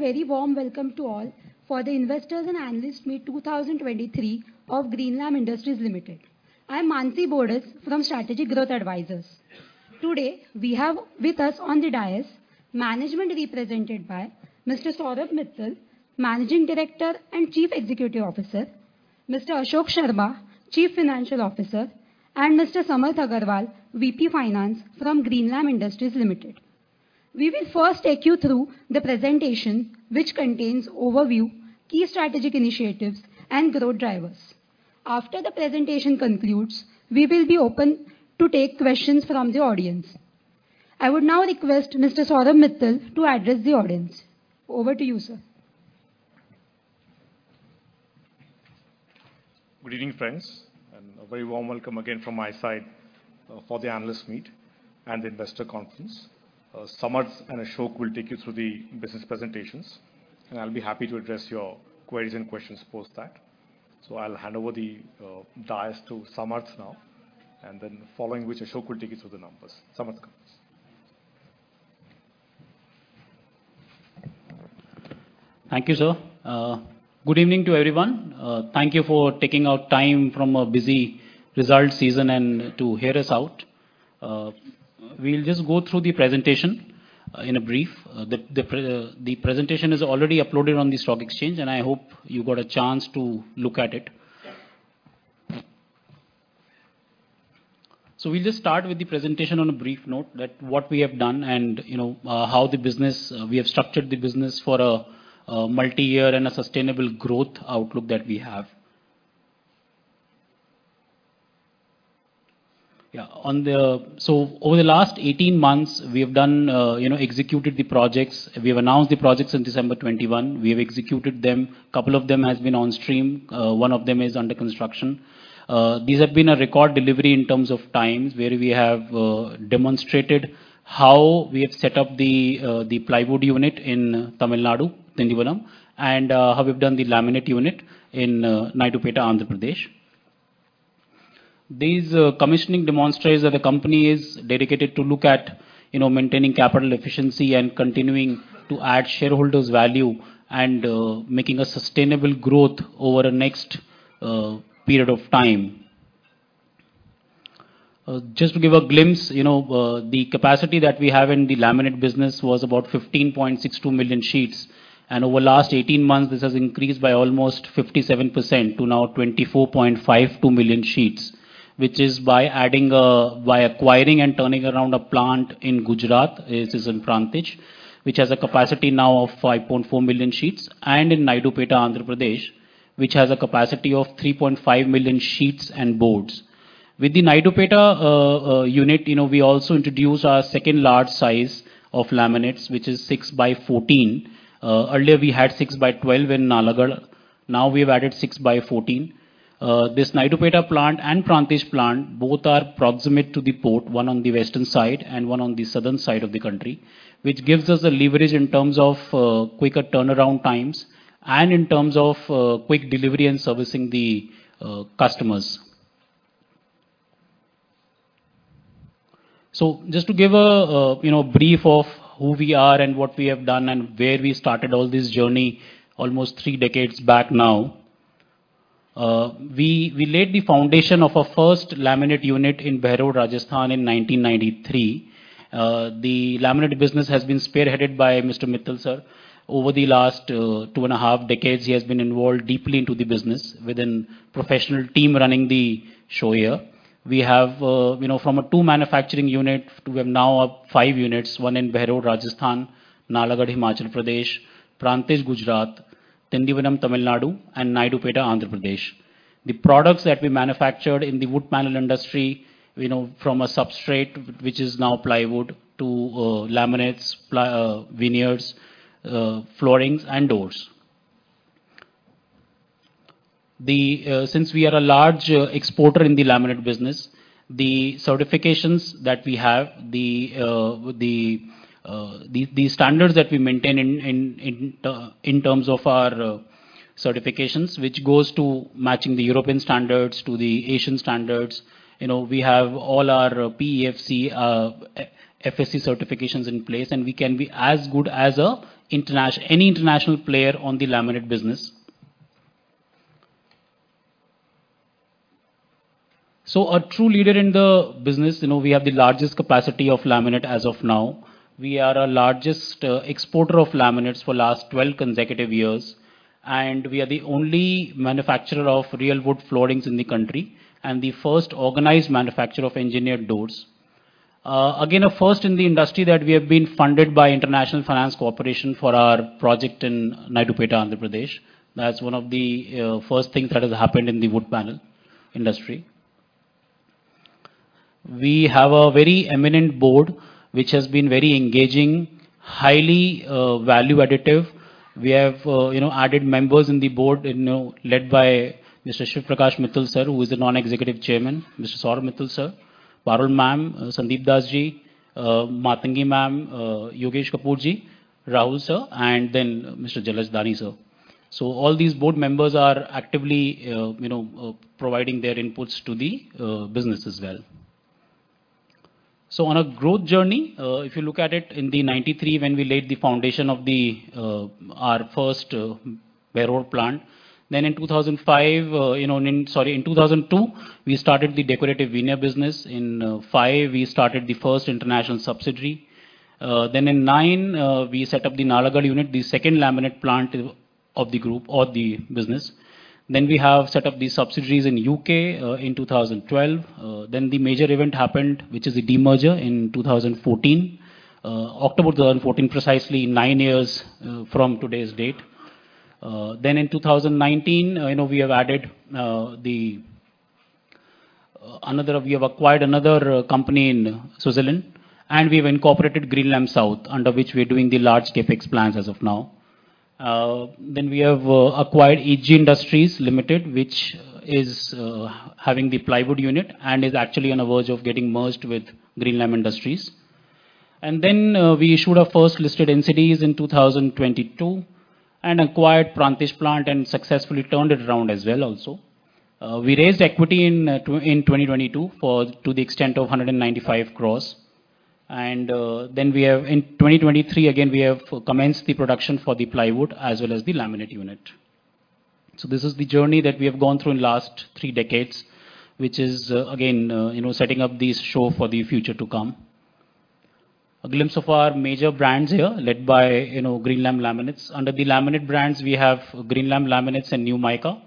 Good evening, and a very warm welcome to all for the Investors and Analysts Meet 2023 of Greenlam Industries Limited. I'm Manasi Bodas from Strategic Growth Advisors. Today, we have with us on the dais, management represented by Mr. Saurabh Mittal, Managing Director and Chief Executive Officer, Mr. Ashok Sharma, Chief Financial Officer, and Mr. Samarth Agarwal, VP Finance from Greenlam Industries Limited. We will first take you through the presentation, which contains overview, key strategic initiatives, and growth drivers. After the presentation concludes, we will be open to take questions from the audience. I would now request Mr. Saurabh Mittal to address the audience. Over to you, sir. Good evening, friends, and a very warm welcome again from my side for the analyst meet and investor conference. Samarth and Ashok will take you through the business presentations, and I'll be happy to address your queries and questions post that. So I'll hand over the dais to Samarth now, and then following which, Ashok will take you through the numbers. Samarth comes. Thank you, sir. Good evening to everyone. Thank you for taking out time from a busy result season and to hear us out. We'll just go through the presentation in a brief. The presentation is already uploaded on the stock exchange, and I hope you got a chance to look at it. So we'll just start with the presentation on a brief note, that what we have done and, you know, how the business... we have structured the business for a multi-year and a sustainable growth outlook that we have. Yeah. On the. So over the last 18 months, we have done, you know, executed the projects. We have announced the projects in December 2021. We have executed them. A couple of them has been on stream. One of them is under construction. These have been a record delivery in terms of times, where we have demonstrated how we have set up the plywood unit in Tamil Nadu, Tindivanam, and how we've done the laminate unit in Naidupeta, Andhra Pradesh. These commissioning demonstrates that the company is dedicated to look at, you know, maintaining capital efficiency and continuing to add shareholders value, and making a sustainable growth over the next period of time. Just to give a glimpse, you know, the capacity that we have in the laminate business was about 15.62 million sheets, and over the last 18 months, this has increased by almost 57% to now 24.52 million sheets. Which is by adding, by acquiring and turning around a plant in Gujarat, it is in Prantij, which has a capacity now of 5.4 million sheets, and in Naidupeta, Andhra Pradesh, which has a capacity of 3.5 million sheets and boards. With the Naidupeta, unit, you know, we also introduced our second large size of laminates, which is 6x14. Earlier, we had 6x12 in Nalagarh. Now, we've added 6x 14. This Naidupeta plant and Prantij plant, both are proximate to the port, one on the western side and one on the southern side of the country, which gives us a leverage in terms of, quicker turnaround times and in terms of, quick delivery and servicing the, customers. So just to give a you know brief of who we are and what we have done and where we started all this journey almost three decades back now. We laid the foundation of our first laminate unit in Behror, Rajasthan, in 1993. The laminate business has been spearheaded by Mr. Mittal, sir. Over the last two and a half decades, he has been involved deeply into the business, with a professional team running the show here. We have you know from a two manufacturing unit, we have now up five units, one in Behror, Rajasthan, Nalagarh, Himachal Pradesh, Prantij, Gujarat, Tindivanam, Tamil Nadu, and Naidupeta, Andhra Pradesh. The products that we manufactured in the wood panel industry, you know, from a substrate, which is now plywood, to laminates, ply, veneers, floorings, and doors. The... Since we are a large exporter in the laminate business, the certifications that we have, the standards that we maintain in terms of our certifications, which goes to matching the European standards to the Asian standards, you know, we have all our PEFC, FSC certifications in place, and we can be as good as any international player on the laminate business. So a true leader in the business, you know, we have the largest capacity of laminate as of now. We are the largest exporter of laminates for the last 12 consecutive years, and we are the only manufacturer of real wood floorings in the country, and the first organized manufacturer of engineered doors. Again, a first in the industry that we have been funded by International Finance Corporation for our project in Naidupeta, Andhra Pradesh. That's one of the first things that has happened in the wood panel industry. We have a very eminent board, which has been very engaging, highly value additive. We have, you know, added members in the board, you know, led by Mr. Shiv Prakash Mittal, sir, who is the non-executive chairman; niner. Saurabh Mittal, sir; Parul ma'am, Sandip Das ji, Matangi ma'am, Yogesh Kapurji, Rahul, sir, and then Mr. Jalaj Dani, sir. So all these board members are actively, you know, providing their inputs to the business as well. So on a growth journey, if you look at it in 1993, when we laid the foundation of our first Behror plant. Then in 2005, you know, in 2002, we started the decorative veneer business. In 2005, we started the first international subsidiary. Then in 2009, we set up the Nalagarh unit, the second laminate plant of the group or the business. Then we have set up the subsidiaries in the U.K. in 2012. Then the major event happened, which is the demerger in 2014, October 2014, precisely 9 years from today's date. Then in 2019, you know, we have added another—we have acquired another company in Switzerland, and we've incorporated Greenlam South, under which we are doing the large CapEx plans as of now. Then we have acquired HG Industries Limited, which is having the plywood unit and is actually on the verge of getting merged with Greenlam Industries. And then we issued our first listed NCDs in 2022, and acquired Prantij Plant and successfully turned it around as well also. We raised equity in 2022 to the extent of 195 crore. And then we have in 2023, again, we have commenced the production for the plywood as well as the laminate unit. So this is the journey that we have gone through in last three decades, which is again you know setting up the show for the future to come. A glimpse of our major brands here, led by you know Greenlam Laminates. Under the laminate brands, we have Greenlam Laminates and NewMika.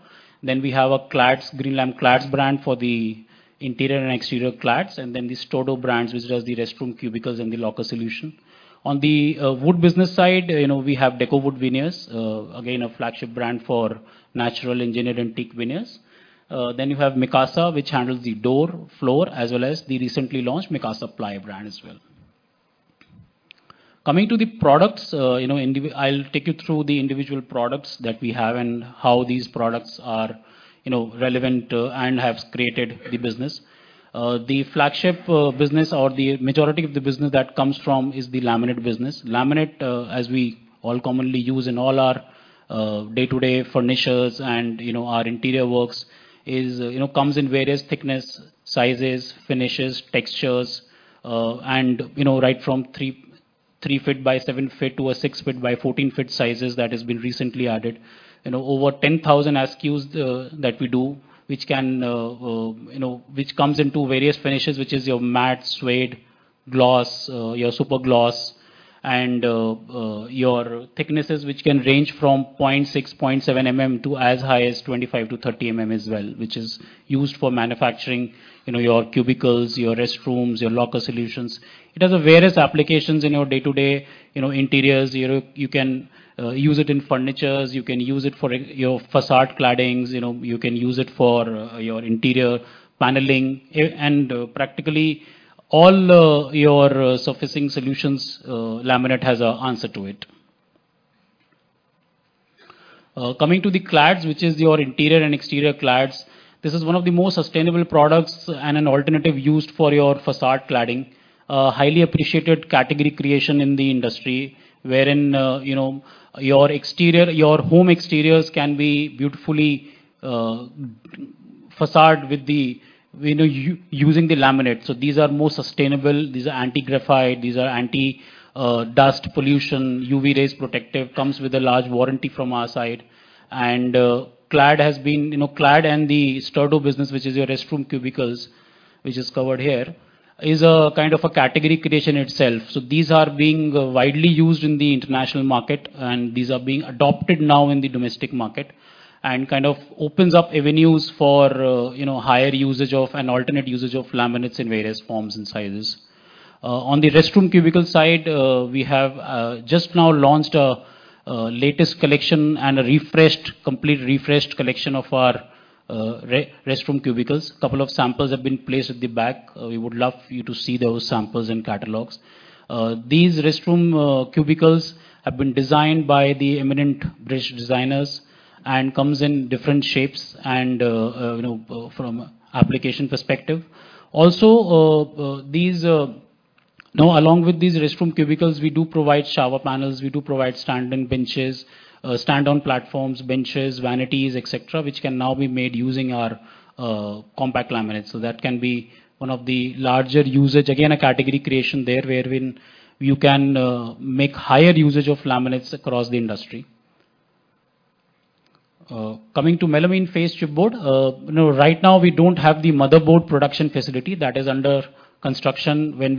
Then we have a Clads, Greenlam Clads brand for the interior and exterior clads, and then the Sturdo brands, which does the restroom cubicles and the locker solution. On the wood business side, you know, we have Decowood Veneers, again, a flagship brand for natural engineered antique veneers. Then you have Mikasa, which handles the door, floor, as well as the recently launched Mikasa Ply brand as well. Coming to the products, you know, I'll take you through the individual products that we have and how these products are, you know, relevant, and have created the business. The flagship business or the majority of the business that comes from is the laminate business. Laminates, as we all commonly use in all our day-to-day furniture and, you know, our interior works is, you know, comes in various thickness, sizes, finishes, textures, and, you know, right from 3, 3 foot by 7 foot to a 6 foot by 14 foot sizes that has been recently added. You know, over 10,000 SKUs that we do, which can, you know, which comes in too various finishes, which is your matte, suede, gloss, your super gloss, and your thicknesses, which can range from 0.6mm, 0.7 m to as high as 25mm-30mm as well, which is used for manufacturing, you know, your cubicles, your restrooms, your locker solutions. It has various applications in your day-to-day, you know, interiors. You can use it in furniture, you can use it for your facade claddings, you know, you can use it for your interior paneling, and practically all your surfacing solutions, laminate has an answer to it. Coming to the clads, which is your interior and exterior clads. This is one of the most sustainable products and an alternative used for your façade cladding. Highly appreciated category creation in the industry, wherein you know, your exterior, your home exteriors can be beautifully façade with the, you know, using the laminate. So these are more sustainable, these are anti-graffiti, these are anti dust pollution, UV rays protective, comes with a large warranty from our side. Clads has been, you know, Clads and the Sturdo business, which is your restroom cubicles, which is covered here, is a kind of a category creation itself. So these are being widely used in the international market, and these are being adopted now in the domestic market, and kind of opens up avenues for, you know, higher usage of and alternate usage of laminates in various forms and sizes. On the restroom cubicle side, we have just now launched a latest collection and a refreshed, complete refreshed collection of our restroom cubicles. A couple of samples have been placed at the back. We would love for you to see those samples and catalogs. These restroom cubicles have been designed by the eminent British designers and comes in different shapes and, you know, from application perspective. Also, now, along with these restroom cubicles, we do provide shower panels, we do provide stand-in benches, stand-on platforms, benches, vanities, etc., which can now be made using our compact laminates. So that can be one of the larger usage. Again, a category creation there, wherein you can make higher usage of laminates across the industry. Coming to Melamine Faced Chipboard, you know, right now, we don't have the MFC board production facility. That is under construction, with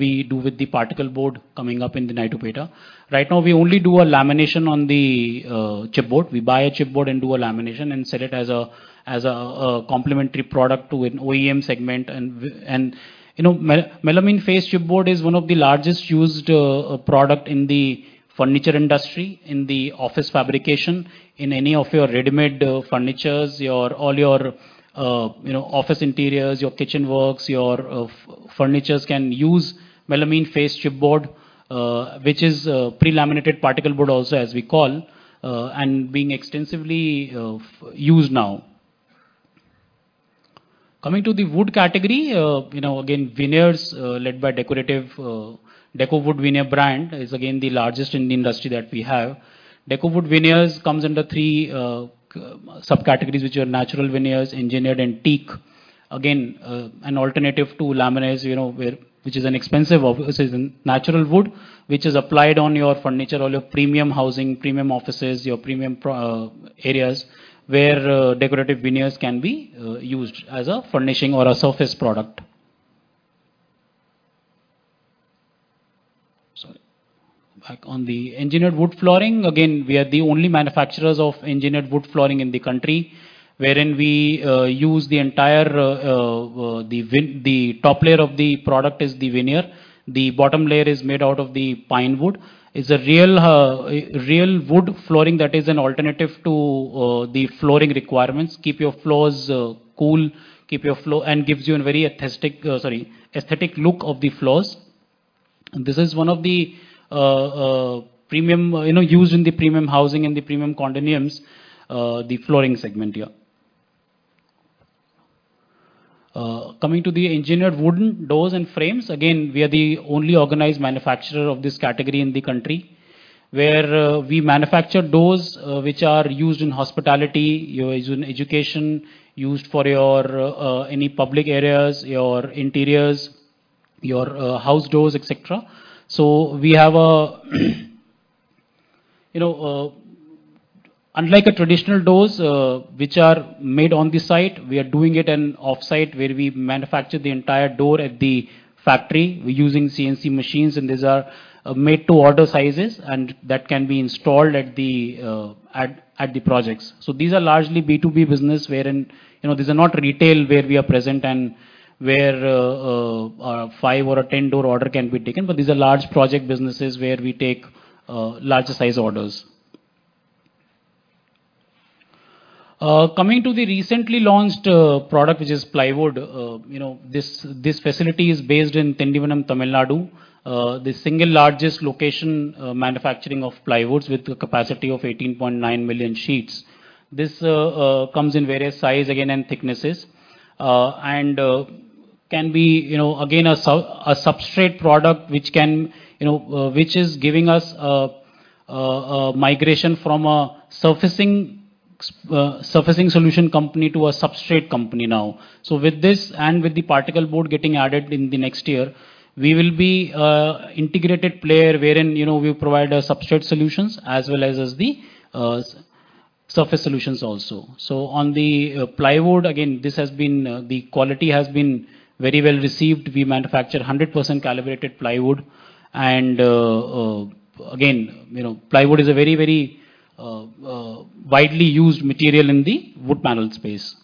the particle board coming up in the Naidupeta. Right now, we only do a lamination on the chipboard. We buy a chipboard and do a lamination and sell it as a complementary product to an OEM segment. And, you know, melamine faced chipboard is one of the largest used product in the furniture industry, in the office fabrication, in any of your readymade furnitures, your, all your, you know, office interiors, your kitchen works, your furnitures can use melamine faced chipboard, which is a pre-laminated particle board also, as we call, and being extensively used now. Coming to the wood category, you know, again, veneers, led by decorative Decowood Veneer brand, is again, the largest in the industry that we have. Decowood Veneers comes under three subcategories, which are natural veneers, engineered and teak. Again, an alternative to laminates, you know, where—which is an expensive, this is natural wood, which is applied on your furniture, all your premium housing, premium offices, your premium pro areas, where decorative veneers can be used as a furnishing or a surface product. Sorry. Back on the engineered wood flooring, again, we are the only manufacturers of engineered wood flooring in the country, wherein we use the entire the top layer of the product is the veneer. The bottom layer is made out of the pine wood. It's a real real wood flooring that is an alternative to the flooring requirements. Keep your floors cool, keep your floor and gives you a very aesthetic, sorry, aesthetic look of the floors. This is one of the premium, you know, used in the premium housing and the premium condominiums, the flooring segment here. Coming to the engineered wooden doors and frames, again, we are the only organized manufacturer of this category in the country, where we manufacture doors, which are used in hospitality, used in education, used for your any public areas, your interiors, your house doors, et cetera. So we have a, you know, unlike a traditional doors, which are made on the site, we are doing it in offsite, where we manufacture the entire door at the factory. We're using CNC machines, and these are made to order sizes, and that can be installed at the projects. So these are largely B2B business, wherein, you know, these are not retail, where we are present and where a five or a 10 door order can be taken. But these are large project businesses where we take larger size orders. Coming to the recently launched product, which is plywood. You know, this facility is based in Tindivanam, Tamil Nadu. The single largest location manufacturing of plywoods with a capacity of 18.9 million sheets. This comes in various size again and thicknesses. And can be, you know, again, a sub, a substrate product, which can, you know, which is giving us a migration from a surfacing surfacing solution company to a substrate company now. So with this and with the particle board getting added in the next year, we will be an integrated player, wherein, you know, we provide a substrate solutions as well as, as the, surface solutions also. So on the, plywood, again, this has been, the quality has been very well received. We manufacture 100% calibrated plywood. And, again, you know, plywood is a very, very, widely used material in the wood panel space.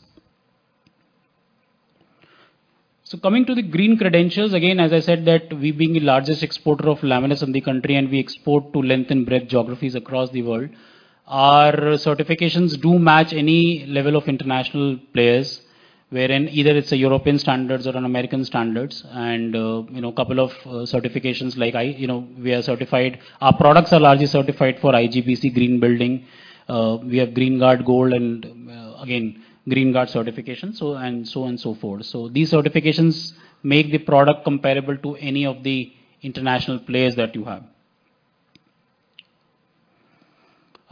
So coming to the green credentials, again, as I said, that we being the largest exporter of laminates in the country, and we export to length and breadth geographies across the world. Our certifications do match any level of international players, wherein either it's a European standards or an American standards and, you know, couple of certifications. You know, we are certified. Our products are largely certified for IGBC Green Building. We have Greenguard Gold and, again, Greenguard Certification, so, and so on and so forth. So these certifications make the product comparable to any of the international players that you have.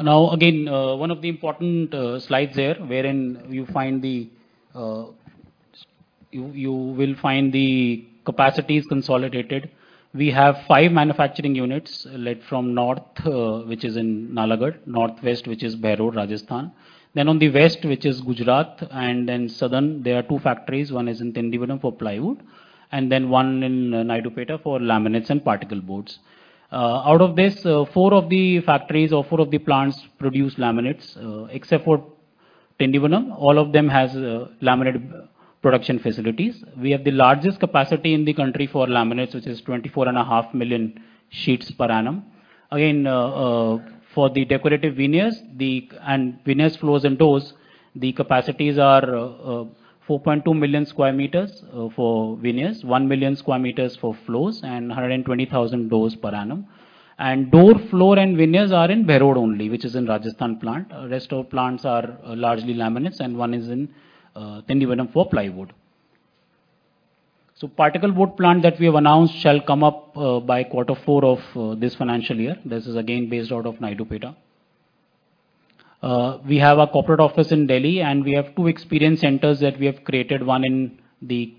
Now, again, one of the important slides there, wherein you will find the capacities consolidated. We have five manufacturing units, led from north, which is in Nalagarh, northwest, which is Behror, Rajasthan. Then on the west, which is Gujarat, and then southern, there are two factories. One is in Tindivanam for plywood, and then one in Naidupeta for laminates and particle boards. Out of this, four of the factories or four of the plants produce laminates. Except for Tindivanam, all of them has laminate production facilities. We have the largest capacity in the country for laminates, which is 24.5 million sheets per annum. Again, for the decorative veneers, the, and veneers floors and doors, the capacities are, 4.2 million square meters, for veneers, 1 million square meters for floors, and 120,000 doors per annum. And door, floor, and veneers are in Behror only, which is in Rajasthan plant. Rest of plants are largely laminates, and one is in, Tindivanam for plywood. So particle board plant that we have announced shall come up, by quarter four of, this financial year. This is again, based out of Naidupeta. We have a corporate office in Delhi, and we have two experience centers that we have created, one in the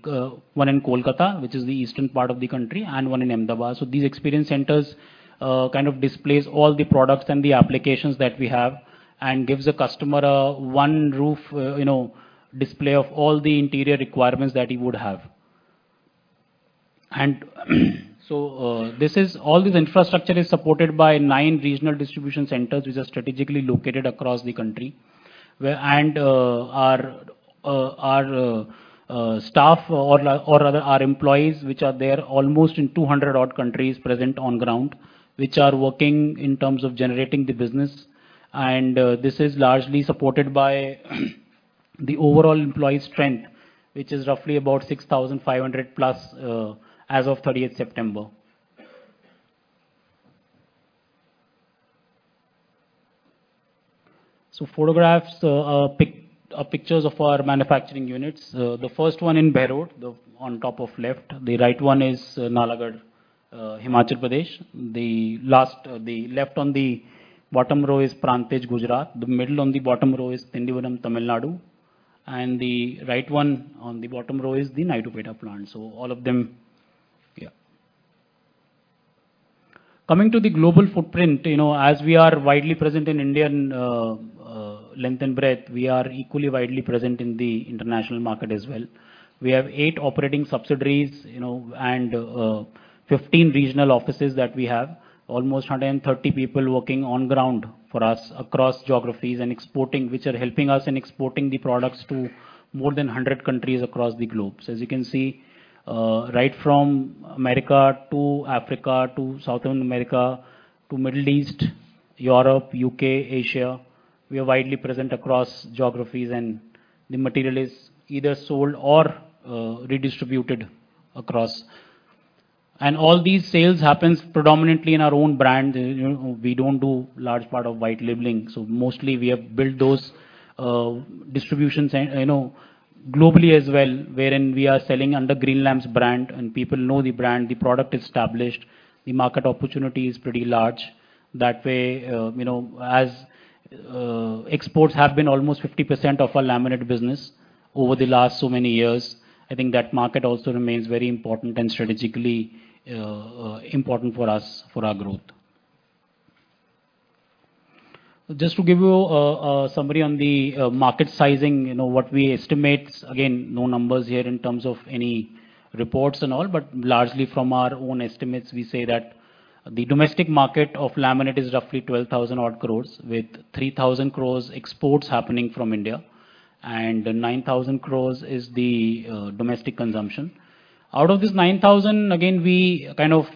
one in Kolkata, which is the eastern part of the country, and one in Ahmedabad. So these experience centers kind of displays all the products and the applications that we have and gives the customer a one roof you know display of all the interior requirements that he would have. And so this is all this infrastructure is supported by nine regional distribution centers, which are strategically located across the country, where and our our staff or rather our employees, which are there almost in 200-odd countries present on ground, which are working in terms of generating the business. This is largely supported by the overall employee strength, which is roughly about 6,500+, as of 30th September. Photographs, pictures of our manufacturing units. The first one in Behror, on top left. The right one is Nalagarh, Himachal Pradesh. The left on the bottom row is Prantij, Gujarat. The middle on the bottom row is Tindivanam, Tamil Nadu, and the right one on the bottom row is the Naidupeta plant. So all of them, yeah. Coming to the global footprint, you know, as we are widely present in India in length and breadth, we are equally widely present in the international market as well. We have eight operating subsidiaries, you know, and 15 regional offices that we have. Almost 130 people working on ground for us across geographies and exporting, which are helping us in exporting the products to more than 100 countries across the globe. So as you can see, right from America to Africa to South America, to Middle East, Europe, UK, Asia, we are widely present across geographies, and the material is either sold or redistributed across. And all these sales happens predominantly in our own brand. You know, we don't do large part of white labeling. So mostly we have built those distributions and, you know, globally as well, wherein we are selling under Greenlam's brand and people know the brand, the product is established, the market opportunity is pretty large. That way, you know, as exports have been almost 50% of our laminate business over the last so many years, I think that market also remains very important and strategically important for us, for our growth. Just to give you a summary on the market sizing, you know, what we estimate. Again, no numbers here in terms of any reports and all, but largely from our own estimates, we say that the domestic market of laminate is roughly 12,000-odd INR crores, with 3,000 crores exports happening from India and 9,000 crores is the domestic consumption. Out of this 9,000, again, we kind of,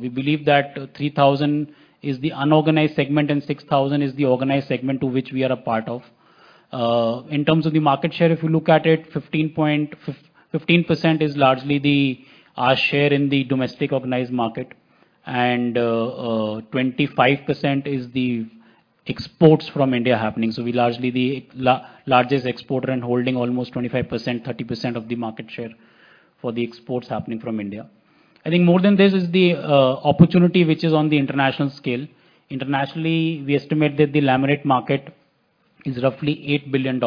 we believe that 3,000 is the unorganized segment and 6,000 is the organized segment to which we are a part of. In terms of the market share, if you look at it, 15% is largely the, our share in the domestic organized market, and, 25% is the exports from India happening. So we're largely the largest exporter and holding almost 25%, 30% of the market share for the exports happening from India. I think more than this is the, opportunity, which is on the international scale. Internationally, we estimate that the laminate market is roughly $8 billion.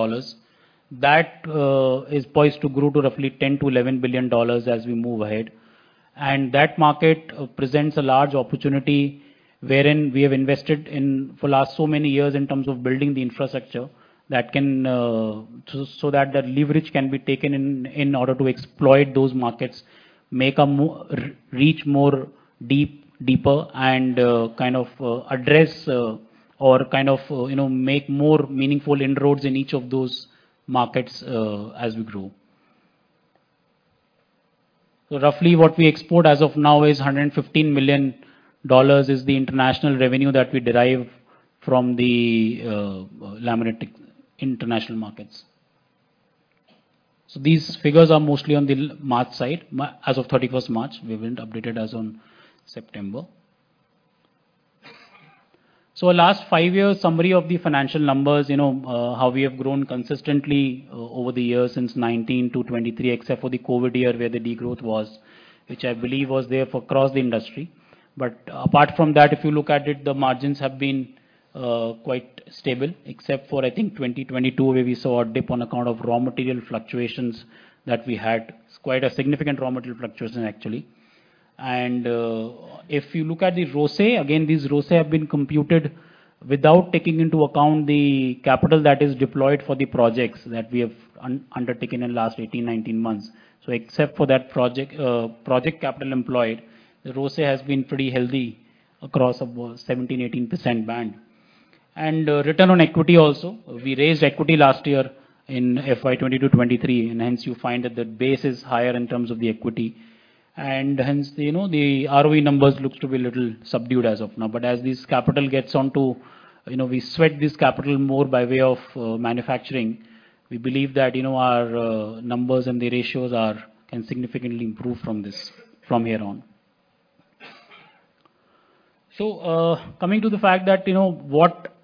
That is poised to grow to roughly $10 billion-$11 billion as we move ahead. That market presents a large opportunity wherein we have invested in for last so many years in terms of building the infrastructure that can so that the leverage can be taken in in order to exploit those markets, make more reach deeper and kind of address or kind of you know make more meaningful inroads in each of those markets as we grow. So roughly what we export as of now is $115 million, is the international revenue that we derive from the laminate international markets. So these figures are mostly on the March side. As of 31st March, we haven't updated as on September. So last five years, summary of the financial numbers, you know, how we have grown consistently over the years since 2019 to 2023, except for the COVID year, where the degrowth was, which I believe was there for across the industry. But apart from that, if you look at it, the margins have been quite stable, except for, I think, 2022, where we saw a dip on account of raw material fluctuations that we had. It's quite a significant raw material fluctuation, actually. And if you look at the ROCE, again, these ROCE have been computed without taking into account the capital that is deployed for the projects that we have undertaken in last 18, 19 months. So except for that project capital employed, the ROCE has been pretty healthy across a 17%-18% band. Return on equity also, we raised equity last year in FY 2022-2023, and hence you find that the base is higher in terms of the equity. Hence, you know, the ROE numbers looks to be a little subdued as of now. But as this capital gets on to... You know, we sweat this capital more by way of manufacturing. We believe that, you know, our numbers and the ratios are, can significantly improve from this, from here on. So, coming to the fact that, you know,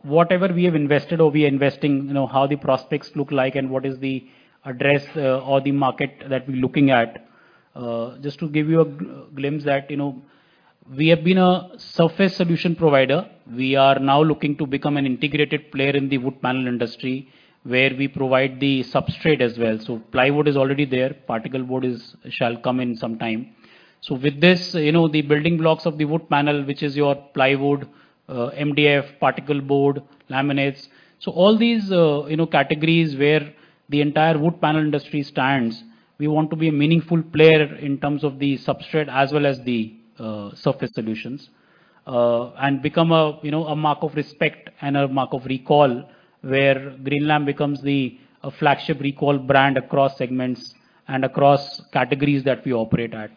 whatever we have invested or we are investing, you know, how the prospects look like and what is the address, or the market that we're looking at. Just to give you a glimpse that, you know, we have been a surface solution provider. We are now looking to become an integrated player in the wood panel industry, where we provide the substrate as well. So plywood is already there, particle board is, shall come in some time. So with this, you know, the building blocks of the wood panel, which is your plywood, MDF, particle board, laminates. So all these, you know, categories where the entire wood panel industry stands, we want to be a meaningful player in terms of the substrate as well as the, surface solutions. And become a, you know, a mark of respect and a mark of recall, where Greenlam becomes the, a flagship recall brand across segments and across categories that we operate at.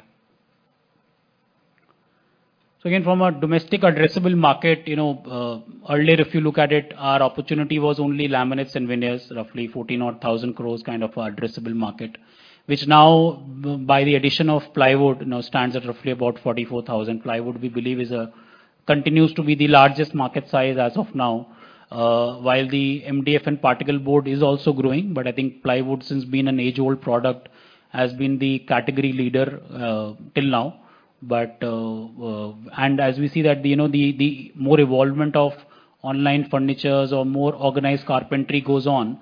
So again, from a domestic addressable market, you know, earlier, if you look at it, our opportunity was only laminates and veneers, roughly 14,000 crore, kind of addressable market. Which now by the addition of plywood, you know, stands at roughly about 44,000. Plywood, we believe, continues to be the largest market size as of now, while the MDF and particleboard is also growing. But I think plywood, since being an age-old product, has been the category leader, till now. But, and as we see that, you know, the more evolvement of online furniture or more organized carpentry goes on,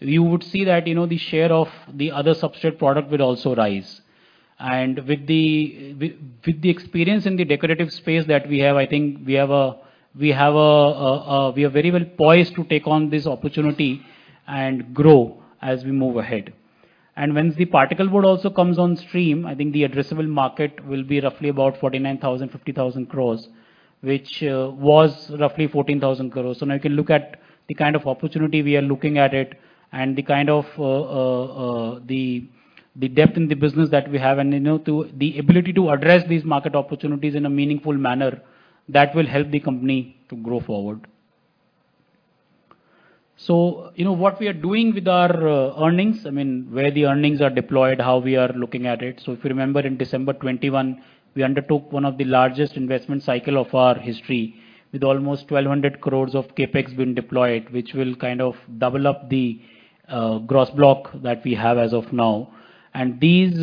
you would see that, you know, the share of the other substrate product will also rise. And with the experience in the decorative space that we have, I think we have a, we are very well poised to take on this opportunity and grow as we move ahead. Once the particleboard also comes on stream, I think the addressable market will be roughly about 49,000-50,000 crore, which was roughly 14,000 crore. Now you can look at the kind of opportunity we are looking at it and the kind of the depth in the business that we have, and you know, to the ability to address these market opportunities in a meaningful manner that will help the company to grow forward. You know, what we are doing with our earnings, I mean, where the earnings are deployed, how we are looking at it. If you remember, in December 2021, we undertook one of the largest investment cycle of our history, with almost 1,200 crore of CapEx being deployed, which will kind of double up the gross block that we have as of now. And these,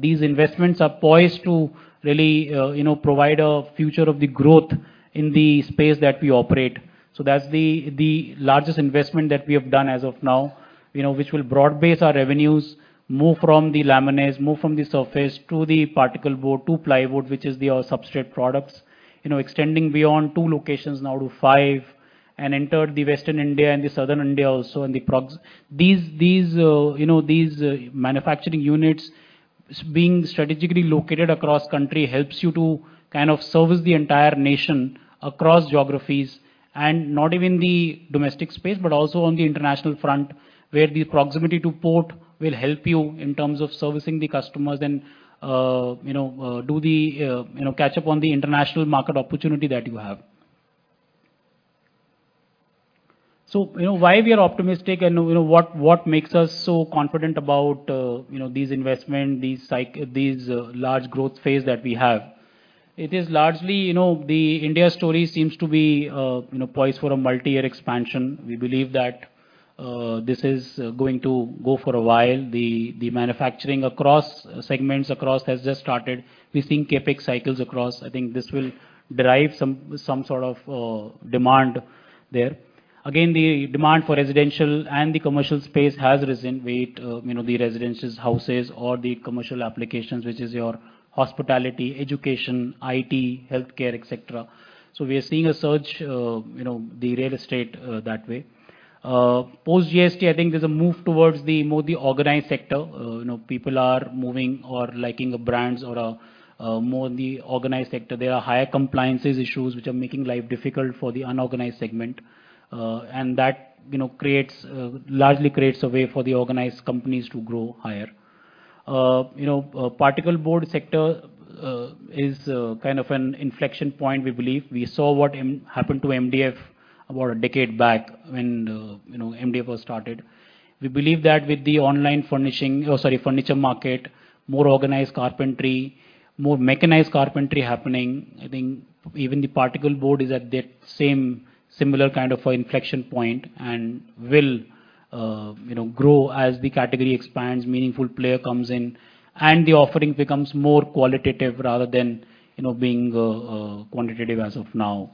these investments are poised to really, you know, provide a future of the growth in the space that we operate. So that's the largest investment that we have done as of now, you know, which will broad base our revenues, move from the laminates, move from the surface to the particleboard, to plywood, which is our substrate products. You know, extending beyond two locations now to five, and entered the Western India and the Southern India also in the process. These manufacturing units being strategically located across country helps you to kind of service the entire nation across geographies, and not even the domestic space, but also on the international front, where the proximity to port will help you in terms of servicing the customers and, you know, catch up on the international market opportunity that you have. So, you know, why we are optimistic and, you know, what makes us so confident about, you know, these investment, these cycle, these large growth phase that we have? It is largely, you know, the India story seems to be, you know, poised for a multi-year expansion. We believe that this is going to go for a while. The manufacturing across segments has just started. We're seeing CapEx cycles across. I think this will derive some, some sort of, demand there. Again, the demand for residential and the commercial space has risen with, you know, the residences, houses, or the commercial applications, which is your hospitality, education, IT, healthcare, et cetera. So we are seeing a surge, you know, the real estate, that way. Post-GST, I think there's a move towards the more the organized sector. You know, people are moving or liking the brands or, more the organized sector. There are higher compliances issues which are making life difficult for the unorganized segment. And that, you know, creates, largely creates a way for the organized companies to grow higher. You know, particleboard sector, is, kind of an inflection point, we believe. We saw what happened to MDF about a decade back when, you know, MDF was started. We believe that with the online furnishing... Oh, sorry, furniture market, more organized carpentry, more mechanized carpentry happening, I think even the particleboard is at that same similar kind of a inflection point and will, you know, grow as the category expands, meaningful player comes in, and the offering becomes more qualitative rather than, you know, being quantitative as of now.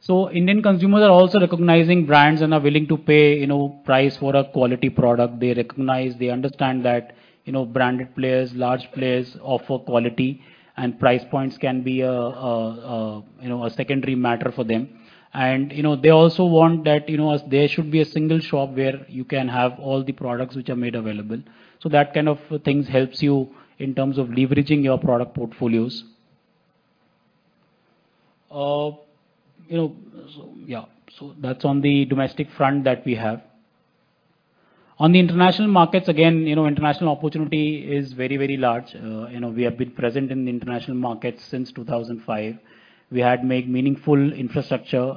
So Indian consumers are also recognizing brands and are willing to pay, you know, price for a quality product. They recognize, they understand that, you know, branded players, large players offer quality, and price points can be a, you know, a secondary matter for them. You know, they also want that, you know, as there should be a single shop where you can have all the products which are made available. So that kind of things helps you in terms of leveraging your product portfolios. You know, so yeah, so that's on the domestic front that we have. On the international markets, again, you know, international opportunity is very, very large. You know, we have been present in the international market since 2005. We had made meaningful infrastructure,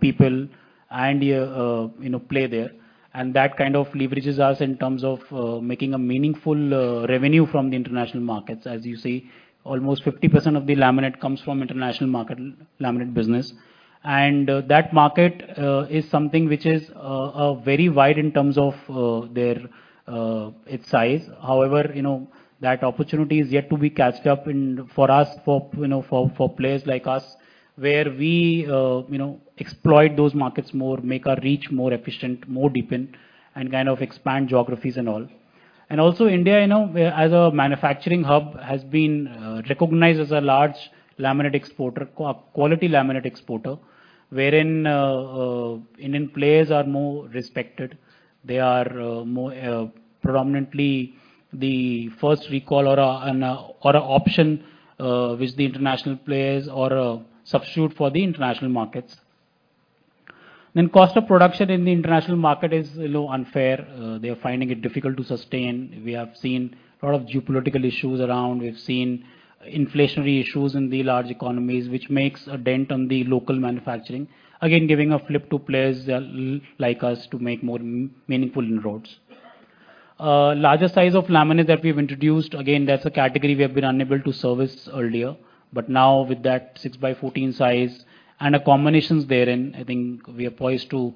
people and, you know, play there. And that kind of leverages us in terms of, making a meaningful, revenue from the international markets. As you see, almost 50% of the laminate comes from international market laminate business. That market is something which is very wide in terms of its size. However, you know, that opportunity is yet to be caught up in—for us, you know, for players like us, where we, you know, exploit those markets more, make our reach more efficient, more deepened, and kind of expand geographies and all. And also, India, you know, where as a manufacturing hub, has been recognized as a large quality laminate exporter, wherein Indian players are more respected. They are more predominantly the first recall or an option with the international players or a substitute for the international markets. The cost of production in the international market is a little unfair. They are finding it difficult to sustain. We have seen a lot of geopolitical issues around. We've seen inflationary issues in the large economies, which makes a dent on the local manufacturing. Again, giving a flip to players like us to make more meaningful inroads. Larger size of laminate that we've introduced, again, that's a category we have been unable to service earlier. But now with that 6x14 size and the combinations therein, I think we are poised to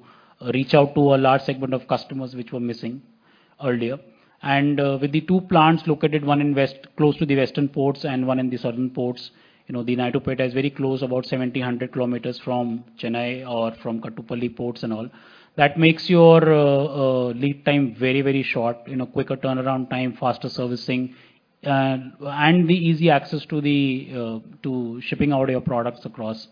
reach out to a large segment of customers which were missing earlier. And with the two plants located, one in west, close to the western ports and one in the southern ports, you know, the Naidupeta is very close, about 1,700 kilometers from Chennai or from Kattupalli ports and all. That makes your lead time very, very short, you know, quicker turnaround time, faster servicing, and the easy access to shipping out your products across.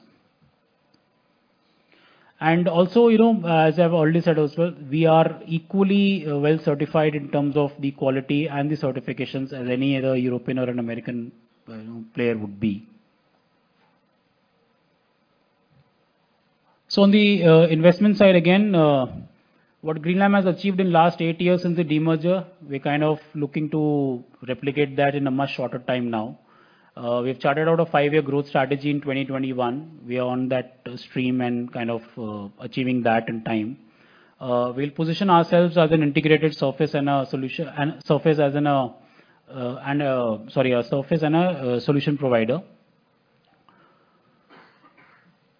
And also, you know, as I've already said as well, we are equally well certified in terms of the quality and the certifications as any other European or an American player would be. So on the investment side, again, what Greenlam has achieved in last eight years since the demerger, we're kind of looking to replicate that in a much shorter time now. We've charted out a five year growth strategy in 2021. We are on that stream and kind of achieving that in time. We'll position ourselves as an integrated surface and a solution—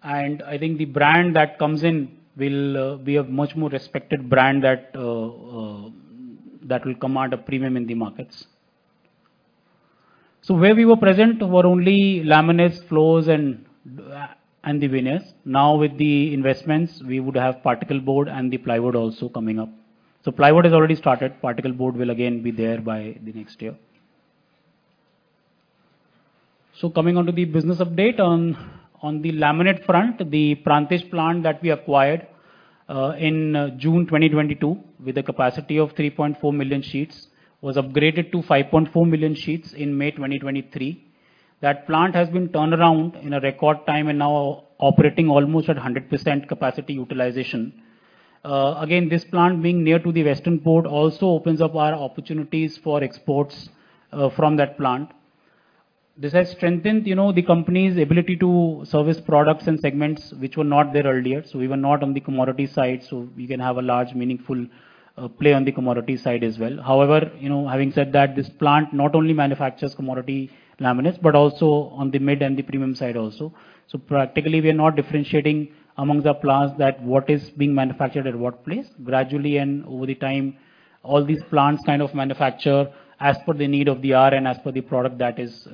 and surface as in a, and sorry, a surface and a solution provider. I think the brand that comes in will be a much more respected brand that, that will command a premium in the markets. So where we were present were only laminates, floors and the veneers. Now, with the investments, we would have particleboard and the plywood also coming up. So plywood has already started. Particleboard will again be there by the next year. So coming on to the business update on the laminate front, the Prantij plant that we acquired in June 2022, with a capacity of 3.4 million sheets, was upgraded to 5.4 million sheets in May 2023. That plant has been turned around in a record time and now operating almost at 100% capacity utilization. Again, this plant being near to the western port, also opens up our opportunities for exports from that plant. This has strengthened, you know, the company's ability to service products and segments which were not there earlier. So we were not on the commodity side, so we can have a large, meaningful play on the commodity side as well. However, you know, having said that, this plant not only manufactures commodity laminates, but also on the mid and the premium side also. So practically, we are not differentiating among the plants that what is being manufactured at what place. Gradually, and over the time, all these plants kind of manufacture as per the need of the hour and as per the product that is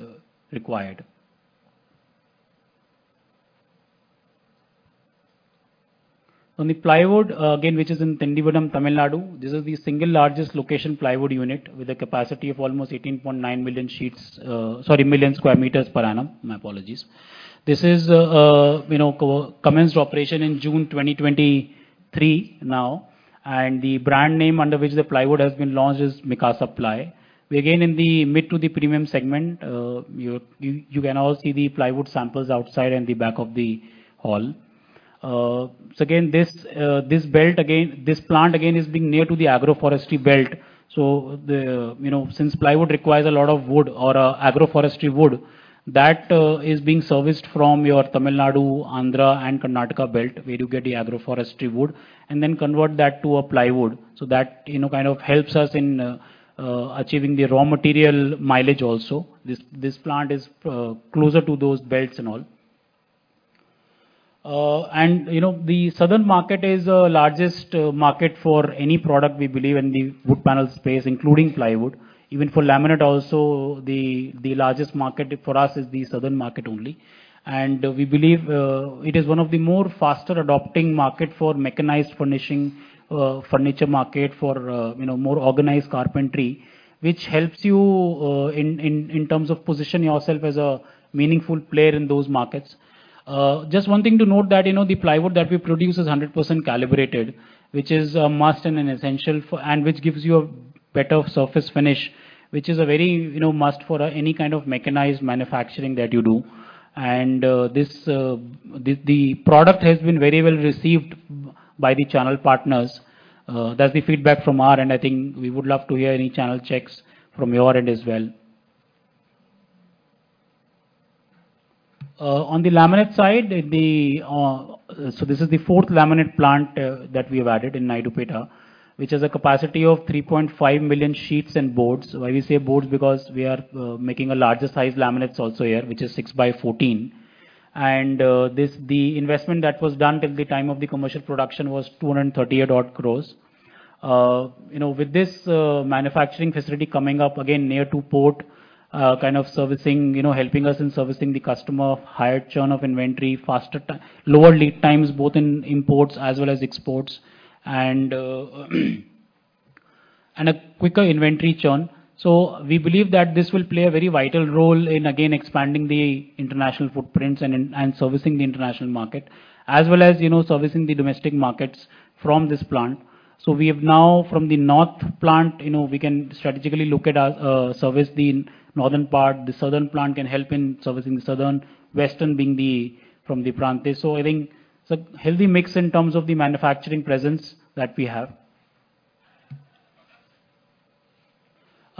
required. On the plywood, again, which is in Tindivanam, Tamil Nadu, this is the single largest location plywood unit with a capacity of almost 18.9 million square meters per annum. Sorry. My apologies. This is, you know, commenced operation in June 2023 now, and the brand name under which the plywood has been launched is Mikasa Ply. We're again in the mid to the premium segment. You can also see the plywood samples outside in the back of the hall. So again, this belt again, this plant again is being near to the agroforestry belt. So the, you know, since plywood requires a lot of wood or, agroforestry wood, that is being serviced from your Tamil Nadu, Andhra and Karnataka belt, where you get the agroforestry wood, and then convert that to a plywood. So that, you know, kind of helps us in achieving the raw material mileage also. This plant is closer to those belts and all. And, you know, the southern market is the largest market for any product, we believe, in the wood panel space, including plywood. Even for laminate also, the largest market for us is the southern market only. And we believe, it is one of the more faster adopting market for mechanized furnishing, furniture market, for, you know, more organized carpentry, which helps you in terms of positioning yourself as a meaningful player in those markets. Just one thing to note that, you know, the plywood that we produce is 100% calibrated, which is a must and an essential for-- and which gives you a better surface finish, which is a very, you know, must for any kind of mechanized manufacturing that you do. And this product has been very well received by the channel partners. That's the feedback from our end, I think we would love to hear any channel checks from your end as well. On the laminate side, the... So this is the fourth laminate plant that we have added in Naidupeta, which has a capacity of 3.5 million sheets and boards. Why we say boards? Because we are making a larger size laminates also here, which is 6x14. This, the investment that was done till the time of the commercial production was 238 crore odd. You know, with this, manufacturing facility coming up again near to port, kind of servicing, you know, helping us in servicing the customer, higher churn of inventory, faster lower lead times, both in imports as well as exports, and a quicker inventory churn. So we believe that this will play a very vital role in, again, expanding the international footprints and in, and servicing the international market, as well as, you know, servicing the domestic markets from this plant. So we have now, from the north plant, you know, we can strategically look at, service the northern part. The southern plant can help in servicing the southern, western being the, from the Prantij. So I think it's a healthy mix in terms of the manufacturing presence that we have.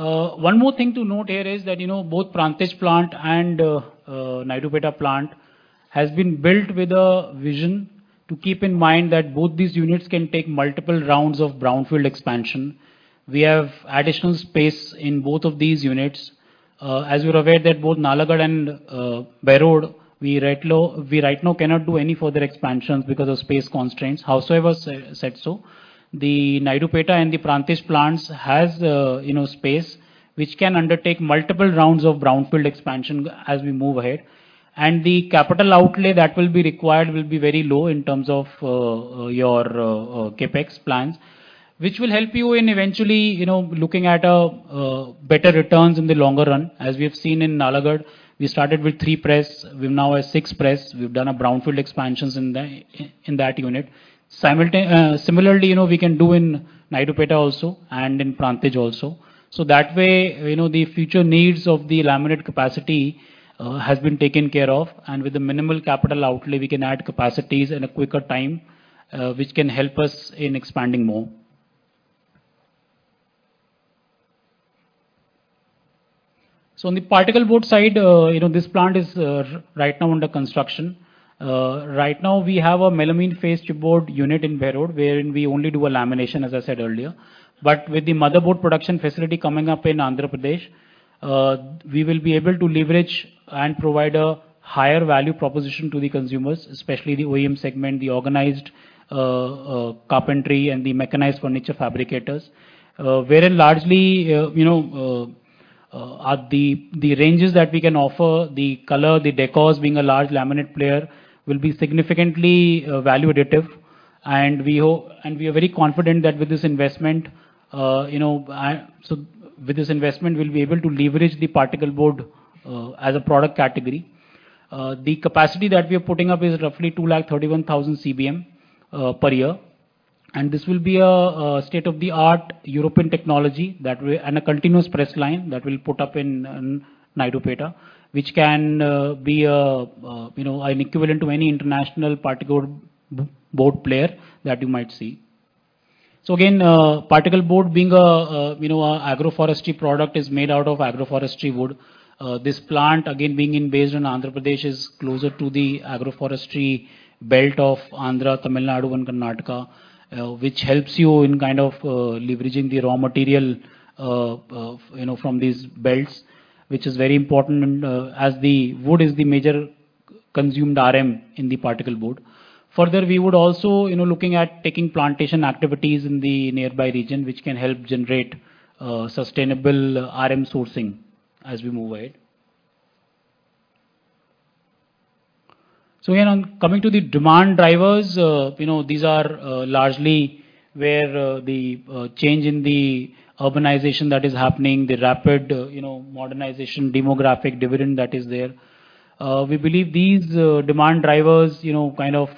One more thing to note here is that, you know, both Prantij plant and Naidupeta plant has been built with a vision to keep in mind that both these units can take multiple rounds of brownfield expansion. We have additional space in both of these units. As you're aware, that both Nalagarh and Behror, we right now cannot do any further expansions because of space constraints. Howsoever said so, the Naidupeta and the Prantij plants has, you know, space, which can undertake multiple rounds of brownfield expansion as we move ahead. And the capital outlay that will be required will be very low in terms of your CapEx plans, which will help you in eventually, you know, looking at a better returns in the longer run. As we have seen in Nalagarh, we started with 3 press, we now have 6 press. We've done a brownfield expansions in that unit. Similarly, you know, we can do in Naidupeta also and in Prantij also. So that way, you know, the future needs of the laminate capacity has been taken care of, and with the minimal capital outlay, we can add capacities in a quicker time, which can help us in expanding more. So on the particle board side, you know, this plant is right now under construction. Right now we have a melamine faced board unit in Behror, wherein we only do a lamination, as I said earlier. But with the particle board production facility coming up in Andhra Pradesh, we will be able to leverage and provide a higher value proposition to the consumers, especially the OEM segment, the organized, carpentry and the mechanized furniture fabricators. Wherein largely, you know, at the ranges that we can offer, the color, the decors, being a large laminate player, will be significantly, value additive. And we hope and we are very confident that with this investment, you know, So with this investment, we'll be able to leverage the particle board, as a product category. The capacity that we are putting up is roughly 231,000 CBM per year. And this will be a state-of-the-art European technology that way, and a continuous press line that we'll put up in Naidupeta, which can be you know an equivalent to any international particle board player that you might see. So again, particle board being a you know agroforestry product, is made out of agroforestry wood. This plant, again, being based in Andhra Pradesh, is closer to the agroforestry belt of Andhra, Tamil Nadu and Karnataka, which helps you in kind of leveraging the raw material you know from these belts. Which is very important as the wood is the major consumed RM in the particle board. Further, we would also you know looking at taking plantation activities in the nearby region, which can help generate sustainable RM sourcing as we move ahead. So again, on coming to the demand drivers, you know, these are largely where the change in the urbanization that is happening, the rapid, you know, modernization, demographic dividend that is there. We believe these demand drivers, you know, kind of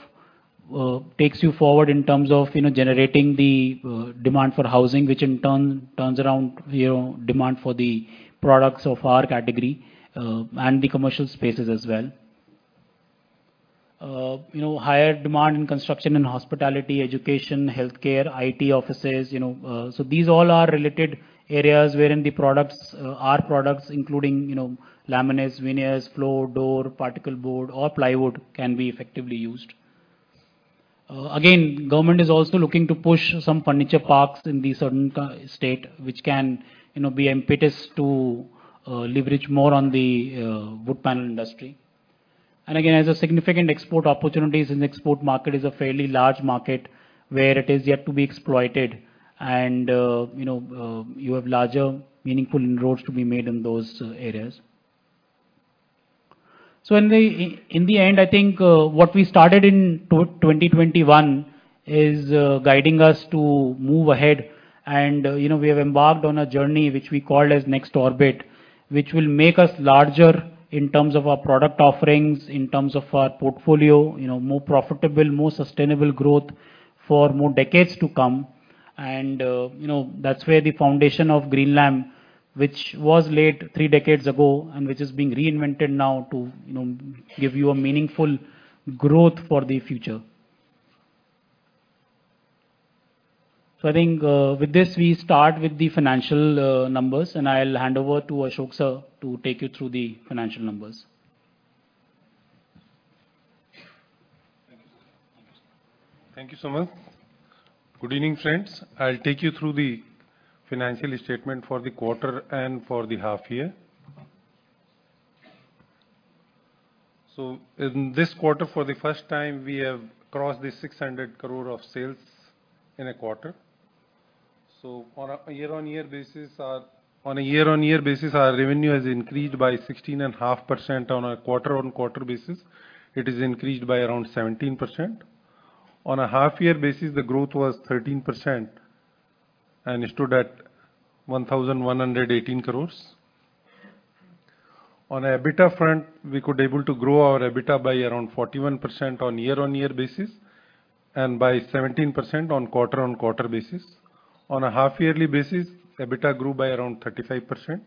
takes you forward in terms of, you know, generating the demand for housing, which in turn, turns around, you know, demand for the products of our category, and the commercial spaces as well. You know, higher demand in construction and hospitality, education, healthcare, IT offices, you know, so these all are related areas wherein the products, our products, including, you know, laminates, veneers, floor, door, particle board or plywood, can be effectively used. Again, government is also looking to push some furniture parks in the certain state, which can, you know, be impetus to leverage more on the wood panel industry. And again, there's a significant export opportunities in the export market, is a fairly large market where it is yet to be exploited and, you know, you have larger, meaningful inroads to be made in those areas. So in the end, I think what we started in 2021 is guiding us to move ahead. And, you know, we have embarked on a journey which we call as Next Orbit, which will make us larger in terms of our product offerings, in terms of our portfolio, you know, more profitable, more sustainable growth for more decades to come. You know, that's where the foundation of Greenlam, which was laid three decades ago and which is being reinvented now to, you know, give you a meaningful growth for the future. I think, with this, we start with the financial numbers, and I'll hand over to Ashok Sir to take you through the financial numbers. Thank you, Sumarth. Good evening, friends. I'll take you through the financial statement for the quarter and for the half year. So in this quarter, for the first time, we have crossed 600 crore of sales in a quarter. So on a year-on-year basis, our revenue has increased by 16.5%. On a quarter-on-quarter basis, it is increased by around 17%. On a half-year basis, the growth was 13% and it stood at 1,118 crore. On EBITDA front, we could able to grow our EBITDA by around 41% on year-on-year basis, and by 17% on quarter-on-quarter basis. On a half-yearly basis, EBITDA grew by around 35%.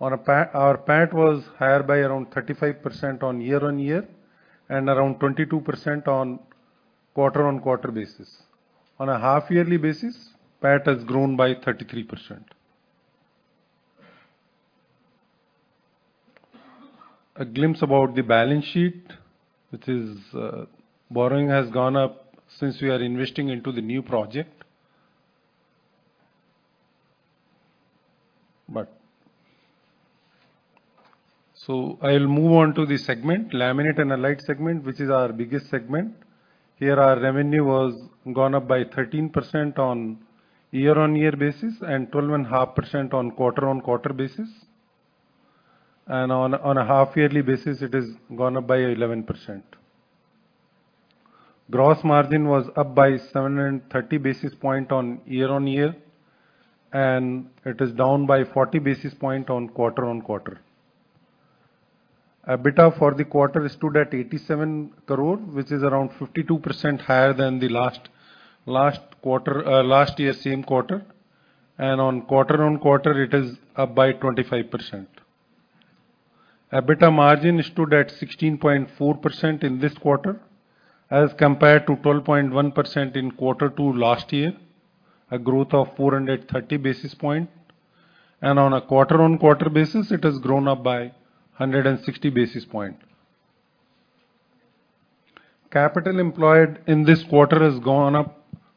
Our PAT was higher by around 35% on year-on-year, and around 22% on quarter-on-quarter basis. On a half-yearly basis, PAT has grown by 33%. A glimpse about the balance sheet, which is borrowing has gone up since we are investing into the new project. So I'll move on to the segment, laminate and allied segment, which is our biggest segment. Here, our revenue was gone up by 13% on year-on-year basis, and 12.5% on quarter-on-quarter basis. And on a half-yearly basis, it has gone up by 11%. Gross margin was up by 730 basis points on year-on-year, and it is down by 40 basis points on quarter-on-quarter. EBITDA for the quarter stood at 87 crore, which is around 52% higher than the last quarter last year same quarter, and on quarter-on-quarter, it is up by 25%. EBITDA margin stood at 16.4% in this quarter, as compared to 12.1% in quarter two last year, a growth of 400 and 30 basis point, and on a quarter-on-quarter basis, it has grown up by 100 and 60 basis point. Capital employed in this quarter has gone up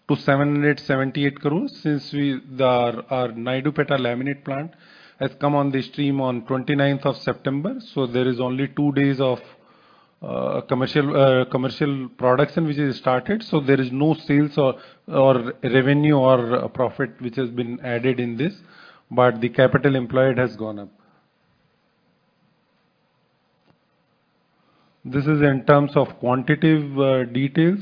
to 778 crores, since we the, our Naidupeta laminate plant has come on the stream on twenty-ninth of September, so there is only two days of commercial production which has started, so there is no sales or revenue or profit which has been added in this, but the capital employed has gone up. This is in terms of quantitative details.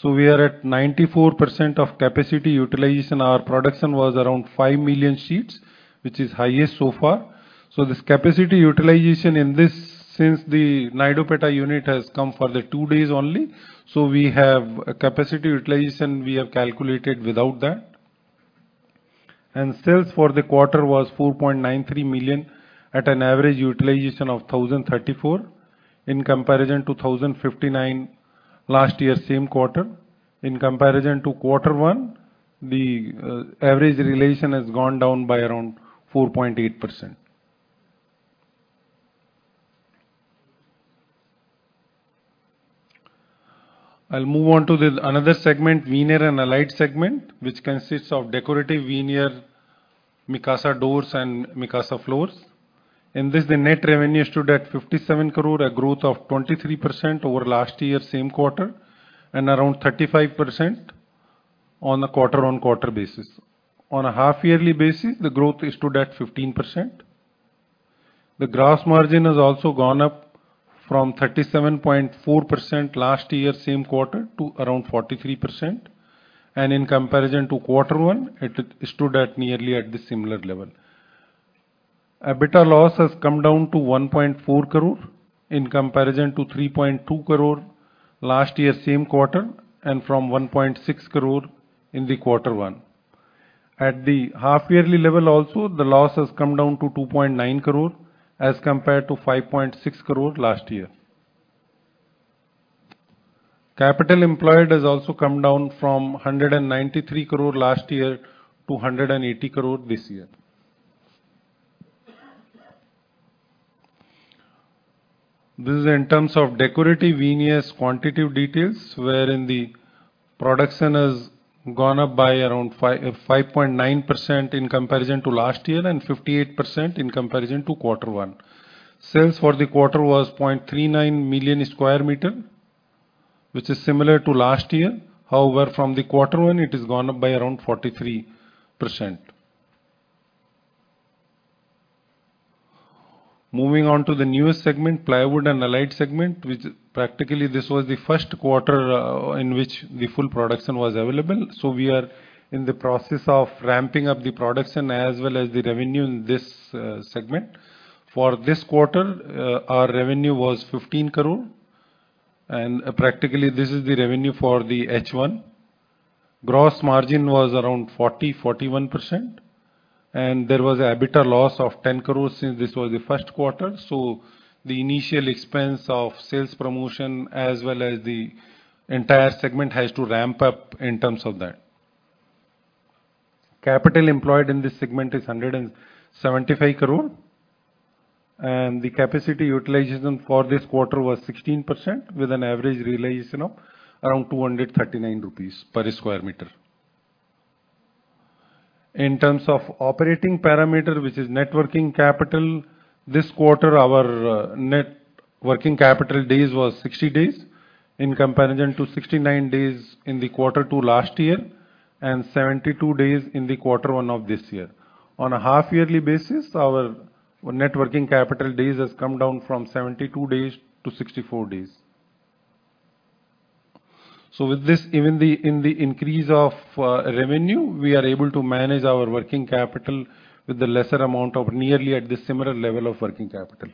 So we are at 94% of capacity utilization. Our production was around five million sheets, which is highest so far. So this capacity utilization in this, since the Naidupeta unit has come for the two days only, so we have a capacity utilization we have calculated without that. Sales for the quarter was 4.93 million, at an average utilization of 1,034, in comparison to 1,059 last year, same quarter. In comparison to quarter one, the average utilization has gone down by around 4.8%. I'll move on to another segment, veneer and allied segment, which consists of decorative veneer, Mikasa doors, and Mikasa floors. In this, the net revenue stood at 57 crore, a growth of 23% over last year, same quarter, and around 35% on a quarter-on-quarter basis. On a half yearly basis, the growth is stood at 15%. The gross margin has also gone up from 37.4% last year, same quarter, to around 43%, and in comparison to quarter one, it stood at nearly at the similar level. EBITDA loss has come down to 1.4 crore in comparison to 3.2 crore last year, same quarter, and from 1.6 crore in the quarter one. At the half yearly level also, the loss has come down to 2.9 crore, as compared to 5.6 crore last year. Capital employed has also come down from 193 crore last year to 180 crore this year. This is in terms of decorative veneers quantitative details, wherein the production has gone up by around five point nine percent in comparison to last year, and 58% in comparison to quarter one. Sales for the quarter was 0.39 million square meter, which is similar to last year. However, from the quarter one, it has gone up by around 43%. Moving on to the newest segment, plywood and allied segment, which practically this was the first quarter in which the full production was available. So we are in the process of ramping up the production as well as the revenue in this segment. For this quarter, our revenue was 15 crore, and practically, this is the revenue for the H1. Gross margin was around 40%-41%, and there was a EBITDA loss of 10 crore, since this was the first quarter, so the initial expense of sales promotion, as well as the entire segment, has to ramp up in terms of that. Capital employed in this segment is 175 crore, and the capacity utilization for this quarter was 16%, with an average realization of around 239 rupees per square meter. In terms of operating parameter, which is net working capital, this quarter, our net working capital days was 60 days, in comparison to 69 days in the quarter two last year, and 72 days in the quarter one of this year. On a half yearly basis, our net working capital days has come down from 72 days to 64 days. So with this, even the, in the increase of revenue, we are able to manage our working capital with a lesser amount of nearly at the similar level of working capital....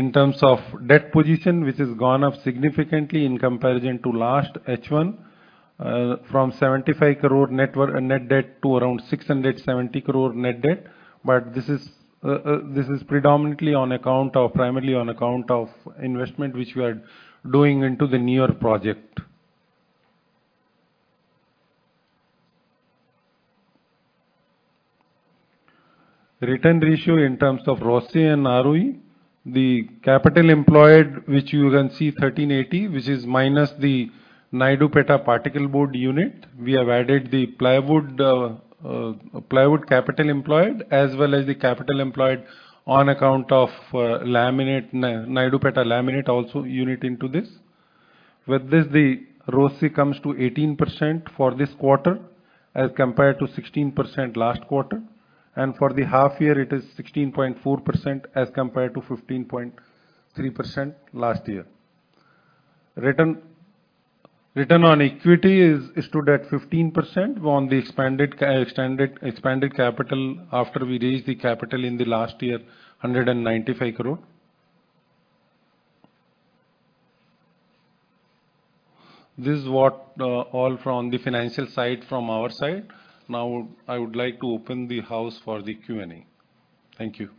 in terms of debt position, which has gone up significantly in comparison to last H1, from 75 crore net debt to around 670 crore net debt. But this is predominantly on account of, primarily on account of investment, which we are doing into the Naidupeta project. Return ratio in terms of ROCE and ROE, the capital employed, which you can see 1,380, which is minus the Naidupeta particle board unit. We have added the plywood, plywood capital employed, as well as the capital employed on account of, laminate, Naidupeta laminate also unit into this. With this, the ROCE comes to 18% for this quarter, as compared to 16% last quarter, and for the half year, it is 16.4%, as compared to 15.3% last year. Return on equity stood at 15% on the expanded capital after we raised the capital in the last year, 195 crore. This is what all from the financial side, from our side. Now, I would like to open the house for the Q&A. Thank you.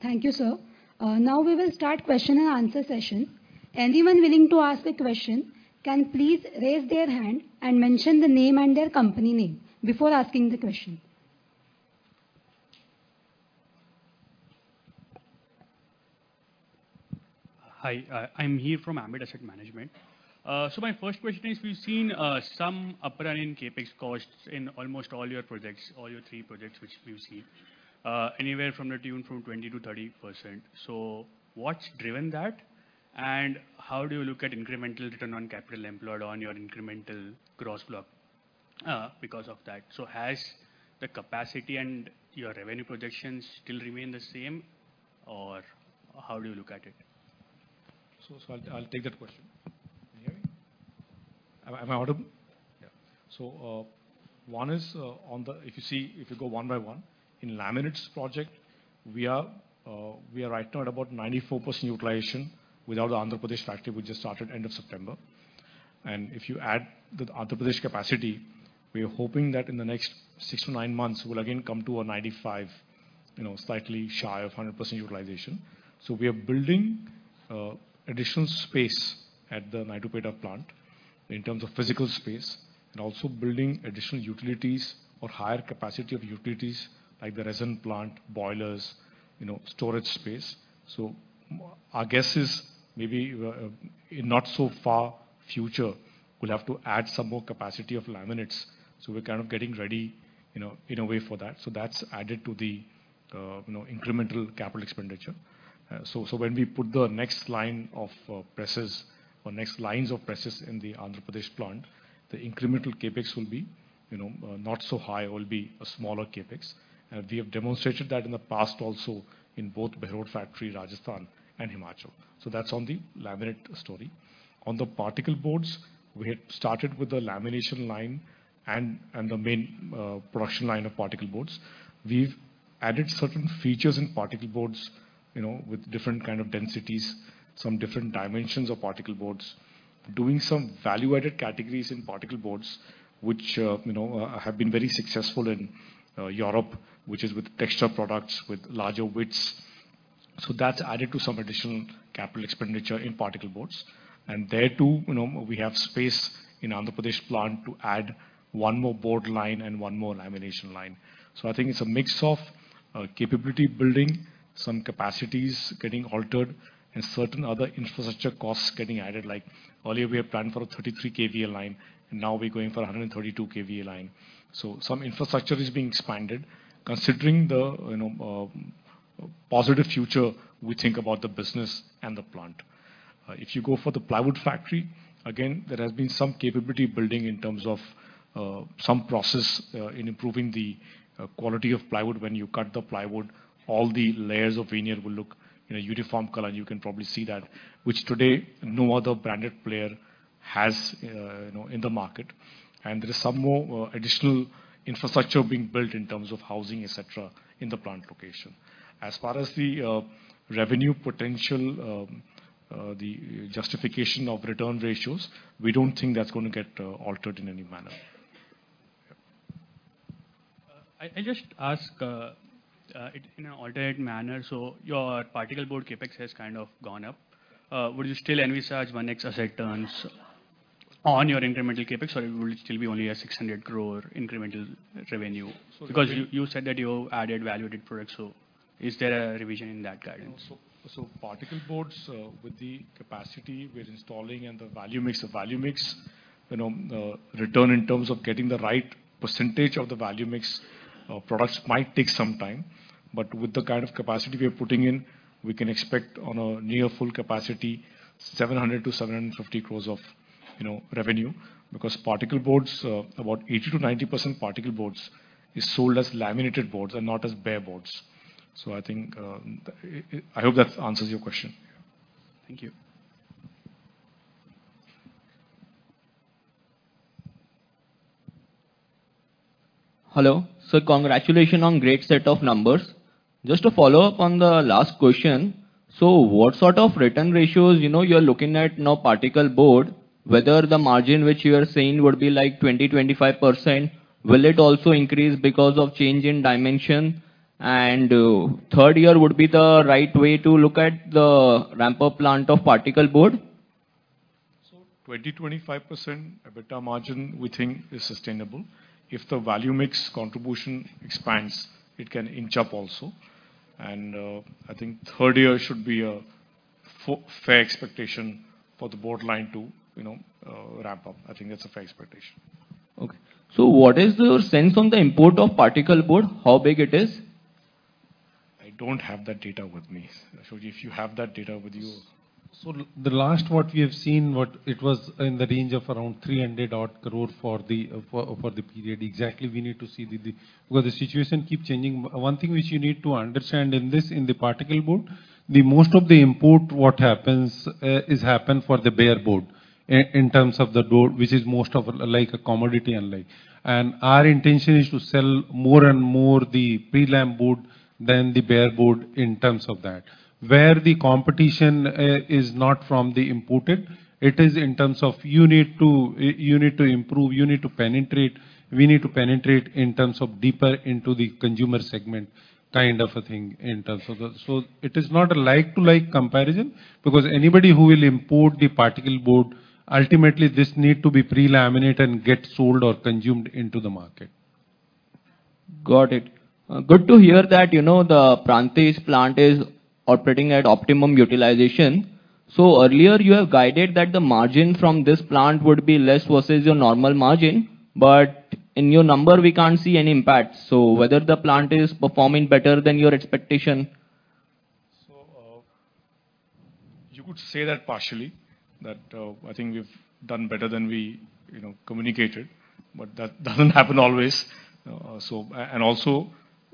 Thank you, sir. Now we will start question and answer session. Anyone willing to ask a question can please raise their hand and mention the name and their company name before asking the question. Hi, I'm Mihir from Ambit Asset Management. So my first question is: we've seen some upturn in CapEx costs in almost all your projects, all your three projects, which we've seen anywhere from the tune of 20%-30%. So what's driven that? And how do you look at incremental return on capital employed on your incremental gross block because of that? So has the capacity and your revenue projections still remain the same, or how do you look at it? So I'll take that question. Can you hear me? Am I audible? Yeah. So, one is, on the... If you see, if you go one by one, in laminates project, we are right now at about 94% utilization without the Andhra Pradesh factory, which just started end of September. And if you add the Andhra Pradesh capacity, we are hoping that in the next six to nine months, we'll again come to a 95, you know, slightly shy of 100% utilization. So we are building additional space at the Naidupeta plant in terms of physical space, and also building additional utilities or higher capacity of utilities like the resin plant, boilers, you know, storage space. So our guess is maybe, in not so far future, we'll have to add some more capacity of laminates. So we're kind of getting ready, you know, in a way for that. So that's added to the, you know, incremental capital expenditure. So, so when we put the next line of, presses or next lines of presses in the Andhra Pradesh plant, the incremental CapEx will be, you know, not so high, it will be a smaller CapEx. We have demonstrated that in the past also in both Behror factory, Rajasthan and Himachal. So that's on the laminate story. On the particle boards, we had started with a lamination line and, and the main, production line of particle boards. We've added certain features in particle boards, you know, with different kind of densities, some different dimensions of particle boards, doing some value-added categories in particle boards, which, you know, have been very successful in, Europe, which is with texture products, with larger widths. So that's added to some additional capital expenditure in particle boards. And there, too, you know, we have space in Andhra Pradesh plant to add one more board line and one more lamination line. So I think it's a mix of, capability building, some capacities getting altered, and certain other infrastructure costs getting added, like earlier we had planned for a 33 kV line, and now we're going for a 132 kV line. So some infrastructure is being expanded. Considering the, you know, positive future, we think about the business and the plant. If you go for the plywood factory, again, there has been some capability building in terms of some process in improving the quality of plywood. When you cut the plywood, all the layers of veneer will look in a uniform color, and you can probably see that, which today, no other branded player has, you know, in the market. And there is some more additional infrastructure being built in terms of housing, et cetera, in the plant location. As far as the revenue potential, the justification of return ratios, we don't think that's going to get altered in any manner. I just ask in an altered manner, so your particle board CapEx has kind of gone up. Would you still envisage when next asset turns on your incremental CapEx, or it will still be only an 600 crore incremental revenue? So- Because you said that you added value-added products, so is there a revision in that guidance? So, particle boards, with the capacity we're installing and the value mix, the value mix, you know, return in terms of getting the right percentage of the value mix, products might take some time, but with the kind of capacity we are putting in, we can expect on a near full capacity, 700 crore-750 crore of, you know, revenue. Because particle boards, about 80%-90% particle boards is sold as laminated boards and not as bare boards. So I think, I hope that answers your question. Thank you.... Hello. Congratulations on great set of numbers. Just to follow up on the last question, so what sort of return ratios, you know, you're looking at now particle board, whether the margin which you are saying would be like 20%-25%, will it also increase because of change in dimension? And third year would be the right way to look at the ramp-up plant of particle board? So 25% EBITDA margin, we think is sustainable. If the value mix contribution expands, it can inch up also. And I think third year should be a fair expectation for the bottom line to, you know, ramp up. I think that's a fair expectation. Okay. So what is your sense on the import of particle board? How big it is? I don't have that data with me. If you have that data with you. So the last what we have seen, what it was in the range of around 300 crore for the period. Exactly, we need to see the. Well, the situation keep changing. One thing which you need to understand in this, in the particle board, the most of the import, what happens, is happen for the bare board. In terms of the board, which is most of like a commodity and like. And our intention is to sell more and more the prelam board than the bare board in terms of that. Where the competition is not from the imported, it is in terms of you need to improve, you need to penetrate, we need to penetrate in terms of deeper into the consumer segment, kind of a thing, in terms of the. It is not a like-to-like comparison, because anybody who will import the particle board, ultimately this need to be pre-laminate and get sold or consumed into the market. Got it. Good to hear that, you know, the Prantij plant is operating at optimum utilization. So earlier, you have guided that the margin from this plant would be less versus your normal margin, but in your number, we can't see any impact. So whether the plant is performing better than your expectation? So, you could say that partially, I think we've done better than we, you know, communicated, but that doesn't happen always.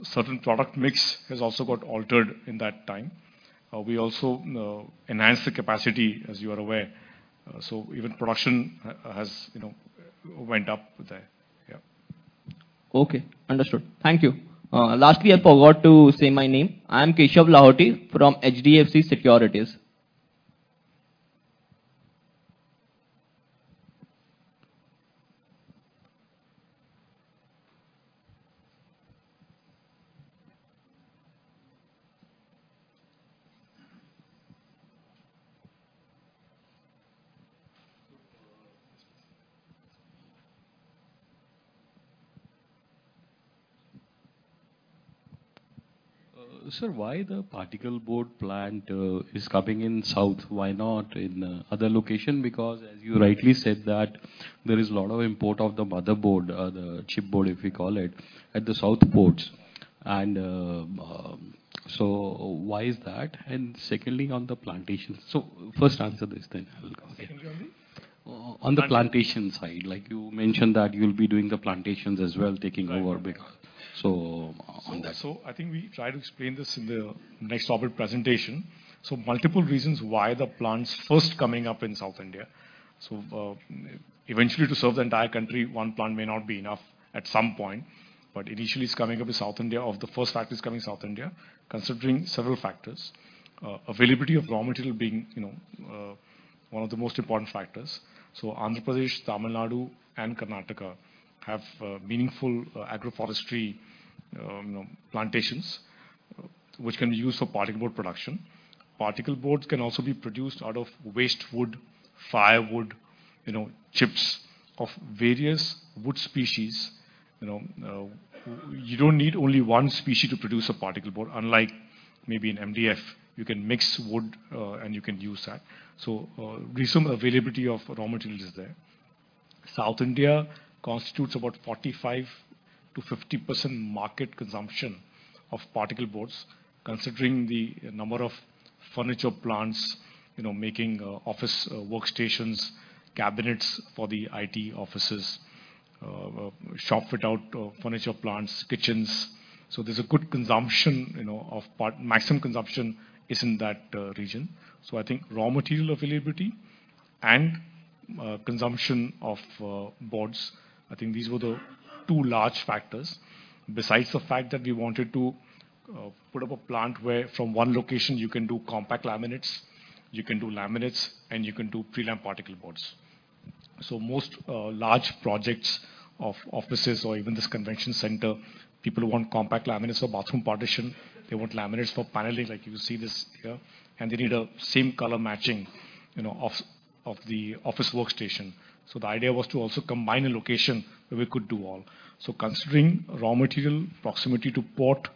Certain product mix has also got altered in that time. We also enhanced the capacity, as you are aware, so even production has, you know, went up there. Yeah. Okay. Understood. Thank you. Lastly, I forgot to say my name. I'm Keshav Lahoti from HDFC Securities. Sir, why the particle board plant is coming in South? Why not in other location? Because as you rightly said that there is a lot of import of the particle board, the chipboard, if you call it, at the South ports. And so why is that? And secondly, on the plantations. So first answer this, then I will go ahead. Can you hear me? On the plantation side, like you mentioned that you'll be doing the plantations as well, taking over big. Right. So on that. So, I think we try to explain this in the next orbit presentation. Multiple reasons why the plants first coming up in South India. Eventually, to serve the entire country, one plant may not be enough at some point, but initially it's coming up in South India, of the first factory is coming South India, considering several factors. Availability of raw material being, you know, one of the most important factors. So Andhra Pradesh, Tamil Nadu and Karnataka have meaningful agroforestry plantations, which can be used for particle board production. Particle boards can also be produced out of waste wood, firewood, you know, chips of various wood species. You know, you don't need only one species to produce a particle board, unlike maybe an MDF. You can mix wood, and you can use that. So, reasonable availability of raw materials is there. South India constitutes about 45%-50% market consumption of particle boards, considering the number of furniture plants, you know, making office workstations, cabinets for the IT offices, shop fit out, furniture plants, kitchens. So there's a good consumption, you know. Maximum consumption is in that region. So I think raw material availability and consumption of boards, I think these were the two large factors. Besides the fact that we wanted to put up a plant where from one location you can do compact laminates, you can do laminates, and you can do prelam particle boards. So most large projects of offices or even this convention center, people want compact laminates for bathroom partition. They want laminates for paneling, like you see this here, and they need a same color matching, you know, of the office workstation. So the idea was to also combine a location where we could do all. So considering raw material, proximity to port,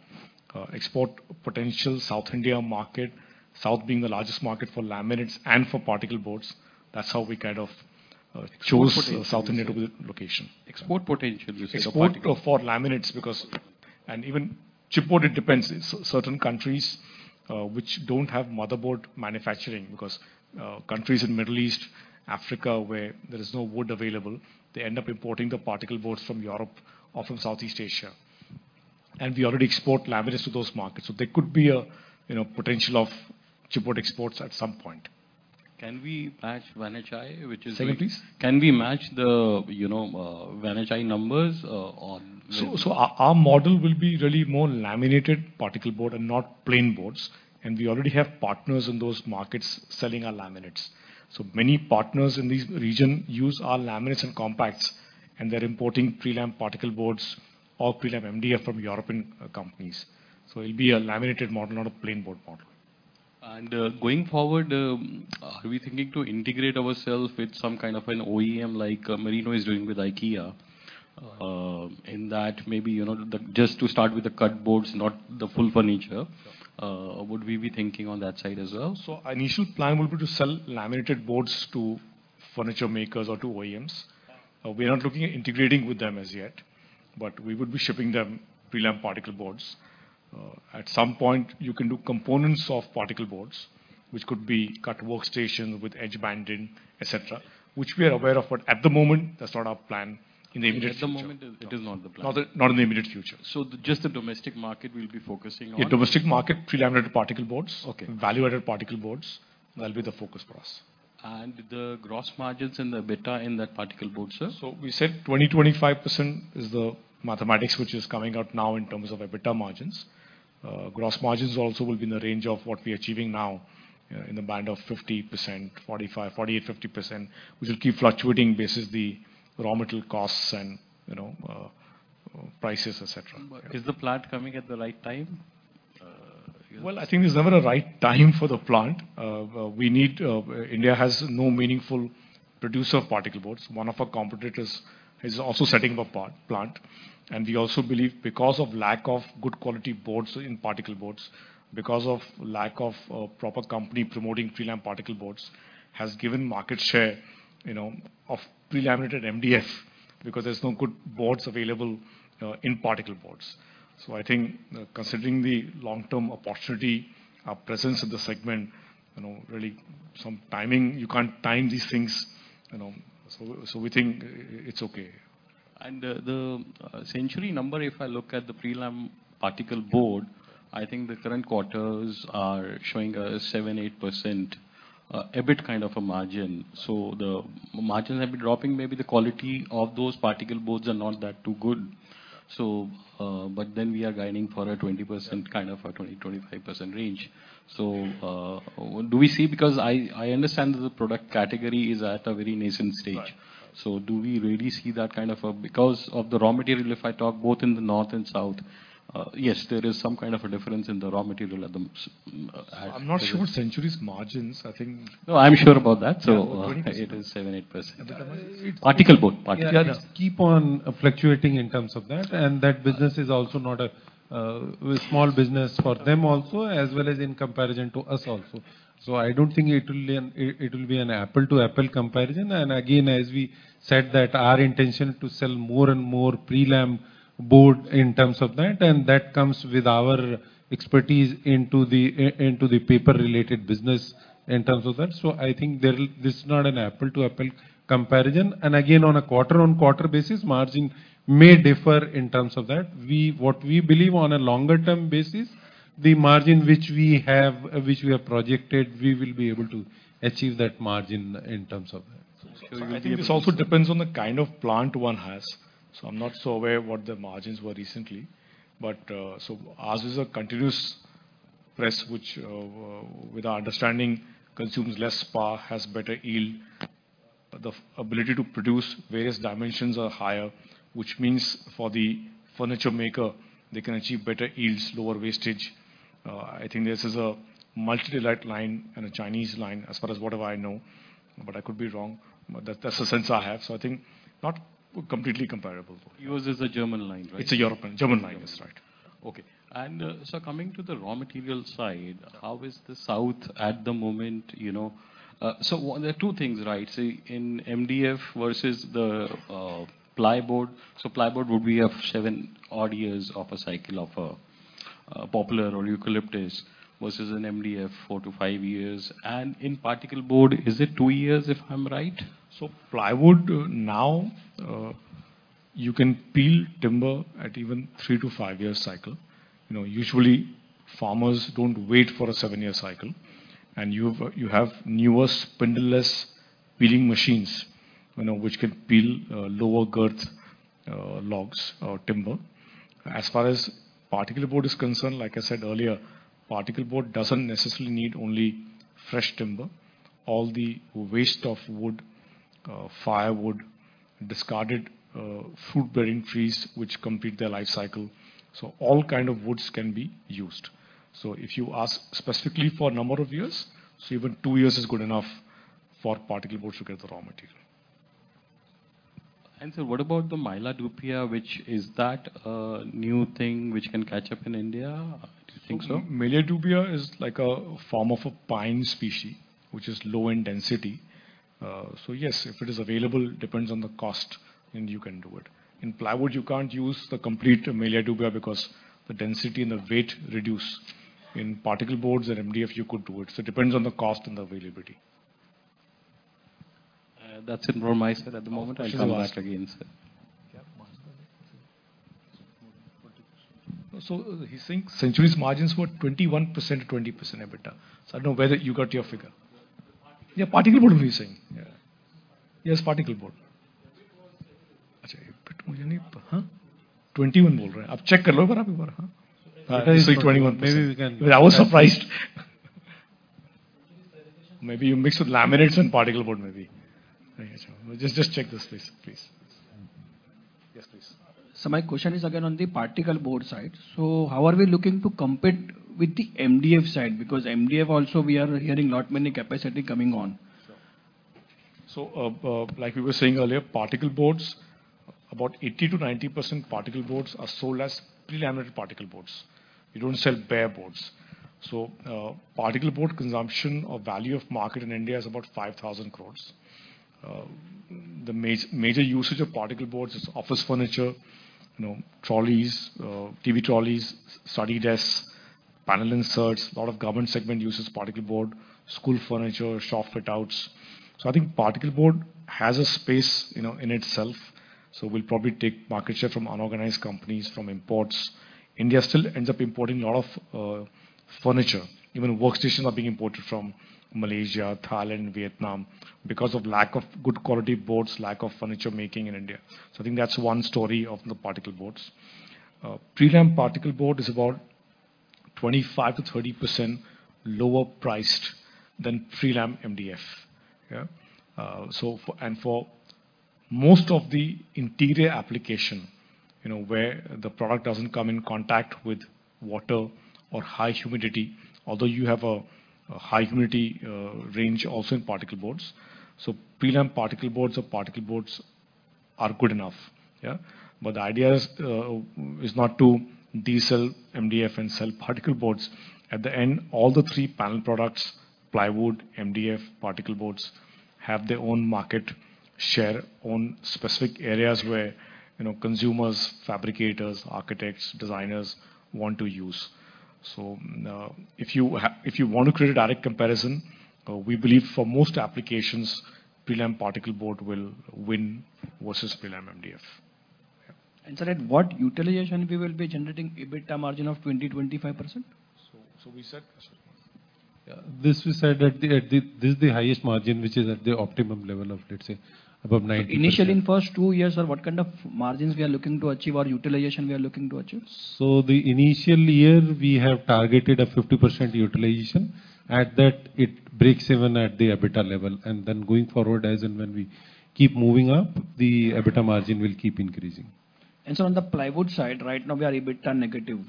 export potential, South India market, South being the largest market for laminates and for particle boards, that's how we kind of chose- Export potential... South India to be location. Export potential, you said? Export for laminates, because... And even chipboard, it depends. Certain countries, which don't have particle board manufacturing, because, countries in Middle East, Africa, where there is no wood available, they end up importing the particle boards from Europe or from Southeast Asia.... and we already export laminates to those markets, so there could be a, you know, potential of chipboard exports at some point. Can we match Vanachai, which is- Say again, please? Can we match the, you know, Vanachai numbers, on- Our model will be really more laminated particleboard and not plain boards, and we already have partners in those markets selling our laminates. So many partners in this region use our laminates and compacts, and they're importing prelam particleboards or prelam MDF from European companies. So it'll be a laminated model, not a plain board model. Going forward, are we thinking to integrate ourselves with some kind of an OEM like Merino is doing with IKEA? In that maybe, you know, just to start with the cut boards, not the full furniture, would we be thinking on that side as well? So our initial plan will be to sell laminated boards to furniture makers or to OEMs. We are not looking at integrating with them as yet, but we would be shipping them prelam particleboards. At some point, you can do components of particleboards, which could be cut workstation with edge banding, et cetera, which we are aware of, but at the moment, that's not our plan in the immediate future. At the moment, it is not the plan.` Not, not in the immediate future. Just the domestic market we'll be focusing on? Yeah, domestic market, pre-laminated particle boards. Okay. Value-added particleboards, that'll be the focus for us. The gross margins and the EBITDA in that particle board, sir? We said 20%-25% is the mathematics which is coming out now in terms of EBITDA margins. Gross margins also will be in the range of what we are achieving now, in the band of 50%, 45%, 48%, 50%, which will keep fluctuating versus the raw material costs and, you know, prices, et cetera. Is the plant coming at the right time? Yes. Well, I think there's never a right time for the plant. We need... India has no meaningful producer of particle boards. One of our competitors is also setting up a particle plant. And we also believe because of lack of good quality boards in particle boards, because of lack of a proper company promoting prelam particle boards, has given market share, you know, of pre-laminated MDF, because there's no good boards available in particle boards. So I think, considering the long-term opportunity, our presence in the segment, you know, really some timing, you can't time these things, you know, so, so we think it's okay. And the Century number, if I look at the prelam particleboard, I think the current quarters are showing a 7%-8% EBIT kind of a margin. So the margins have been dropping. Maybe the quality of those particleboards are not that too good. So, but then we are guiding for a 20% kind of a 20%-25% range. So, do we see... Because I understand that the product category is at a very nascent stage. Right. So do we really see that kind of because of the raw material, if I talk both in the north and south, yes, there is some kind of a difference in the raw material at the, at- I'm not sure Century's margins, I think- No, I'm sure about that. Yeah. It is 7%-8%. EBITDA? Particleboard. Yeah, just keep on fluctuating in terms of that, and that business is also not a small business for them also, as well as in comparison to us also. So I don't think it will be an, it, it will be an apple-to-apple comparison. And again, as we said, that our intention to sell more and more prelam board in terms of that, and that comes with our expertise into the paper-related business in terms of that. So I think there will... This is not an apple-to-apple comparison. And again, on a quarter-over-quarter basis, margin may differ in terms of that. What we believe on a longer term basis, the margin which we have projected, we will be able to achieve that margin in terms of that. So I think it- It also depends on the kind of plant one has, so I'm not so aware what the margins were recently. But, so ours is a continuous press, which, with our understanding, consumes less power, has better yield, the ability to produce various dimensions are higher, which means for the furniture maker, they can achieve better yields, lower wastage. I think this is a multi-light line and a Chinese line, as far as whatever I know, but I could be wrong. But that, that's the sense I have. So I think not completely comparable. Yours is a German line, right? It's a European, German line. That's right. Okay. And, so coming to the raw material side, how is the south at the moment, you know? So there are two things, right? So in MDF versus the ply board, so ply board would be of seven odd years of a poplar or eucalyptus versus an MDF, four to five years. And in particleboard, is it two years, if I'm right? So plywood, now, you can peel timber at even three to five year cycle. You know, usually, farmers don't wait for a seven year cycle, and you have newer spindle-less peeling machines, you know, which can peel lower girth logs or timber. As far as particleboard is concerned, like I said earlier, particleboard doesn't necessarily need only fresh timber. All the waste of wood, firewood, discarded fruit-bearing trees which complete their lifecycle, so all kind of woods can be used. So if you ask specifically for number of years, so even two years is good enough for particleboards to get the raw material. Sir, what about the Melia dubia, which is that new thing which can catch up in India? Do you think so? So Melia dubia is like a form of a pine species, which is low in density. So yes, if it is available, depends on the cost, and you can do it. In plywood, you can't use the complete Melia dubia because the density and the weight reduce. In particle boards and MDF, you could do it, so it depends on the cost and the availability. That's it from my side at the moment. I'll come back again, sir. He's saying Century's margins were 21%-20% EBITDA. I don't know where you got your figure. Particle. Yeah, particle board we're saying. Yeah. Yes, particle board. Huh? 21 Check 21%. Maybe we can- I was surprised. Maybe you mixed with laminates and particle board maybe. Just, just check this, please, please. Yes, please. My question is again on the particle board side. How are we looking to compete with the MDF side? Because MDF also, we are hearing not many capacity coming on. So, like we were saying earlier, particle boards, about 80%-90% particle boards are sold as pre-laminated particle boards. We don't sell bare boards. So, particle board consumption or value of market in India is about 5,000 crore. The major usage of particle boards is office furniture, you know, trolleys, TV trolleys, study desks, panel inserts. A lot of government segment uses particle board, school furniture, shop fit outs. So I think particle board has a space, you know, in itself, so we'll probably take market share from unorganized companies, from imports. India still ends up importing a lot of furniture. Even workstations are being imported from Malaysia, Thailand, Vietnam, because of lack of good quality boards, lack of furniture making in India. So I think that's one story of the particle boards. Pre-lam particle board is about 25%-30% lower priced than prelam MDF. Yeah. So, for most of the interior application, you know, where the product doesn't come in contact with water or high humidity, although you have a high humidity range also in particle boards. So prelam particle boards or particle boards are good enough, yeah? But the idea is not to desell MDF and sell particle boards. At the end, all the three panel products, plywood, MDF, particle boards, have their own market share on specific areas where, you know, consumers, fabricators, architects, designers want to use. So, if you want to create a direct comparison, we believe for most applications, prelam particle board will win versus prelam MDF. Sir, at what utilization we will be generating EBITDA margin of 20%-25%? So we said that this is the highest margin, which is at the optimum level of, let's say, above 90%. Initially, in first two years, sir, what kind of margins we are looking to achieve or utilization we are looking to achieve? The initial year, we have targeted a 50% utilization. At that, it breaks even at the EBITDA level, and then going forward, as and when we keep moving up, the EBITDA margin will keep increasing. So on the plywood side, right now, we are EBITDA negative.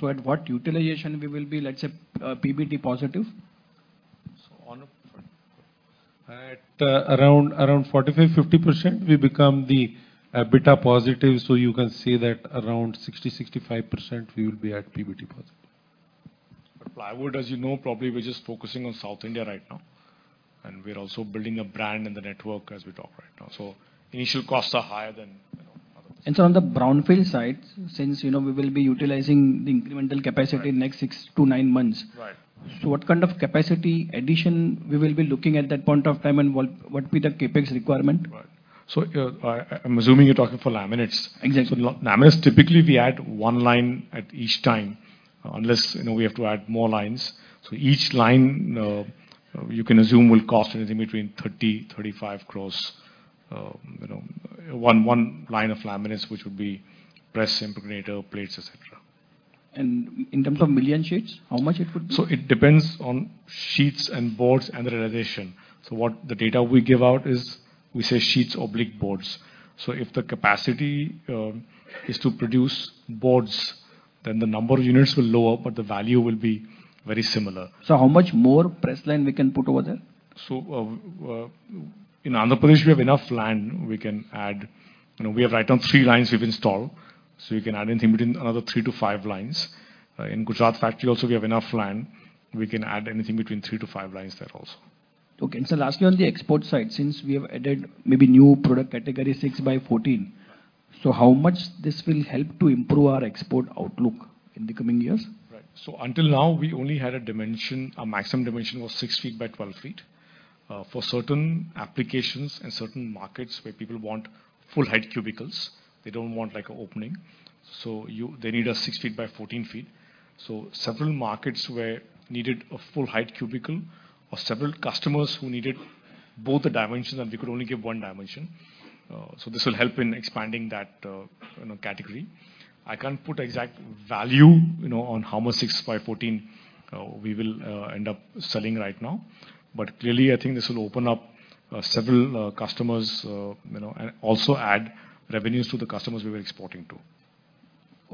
So at what utilization we will be, let's say, PBT positive? At around 45%-50%, we become the EBITDA positive, so you can say that around 60%-65%, we will be at PBT positive. Plywood, as you know, probably we're just focusing on South India right now, and we're also building a brand in the network as we talk right now. So initial costs are higher than, you know, others. On the brownfield side, since, you know, we will be utilizing the incremental capacity- Right. in the next six to nine months. Right. What kind of capacity addition we will be looking at that point of time, and what be the CapEx requirement? Right. So, I'm assuming you're talking for laminates. Exactly. So laminates, typically, we add one line at each time, unless, you know, we have to add more lines. So each line, you can assume, will cost anything between 30-35 crores, you know, one line of laminates, which would be press, impregnator, plates, et cetera. In terms of million sheets, how much it would be? It depends on sheets and boards and realization. What the data we give out is, we say sheets or plain boards. If the capacity is to produce boards, then the number of units will be lower, but the value will be very similar. How much more press line we can put over there? In Andhra Pradesh, we have enough land we can add. You know, we have right now three lines we've installed, so we can add anything between another three to five lines. In Gujarat factory also, we have enough land. We can add anything between three to five lines there also. Okay. So lastly, on the export side, since we have added maybe new product category 6x14, so how much this will help to improve our export outlook in the coming years? Right. So until now, we only had a dimension, a maximum dimension of 6x12 ft. For certain applications and certain markets where people want full-height cubicles, they don't want, like, an opening, so they need a 6x14 ft. So several markets where needed a full-height cubicle or several customers who needed both the dimensions, and we could only give one dimension, so this will help in expanding that, you know, category. I can't put exact value, you know, on how much 6x14, we will, end up selling right now, but clearly, I think this will open up, several, customers, you know, and also add revenues to the customers we were exporting to.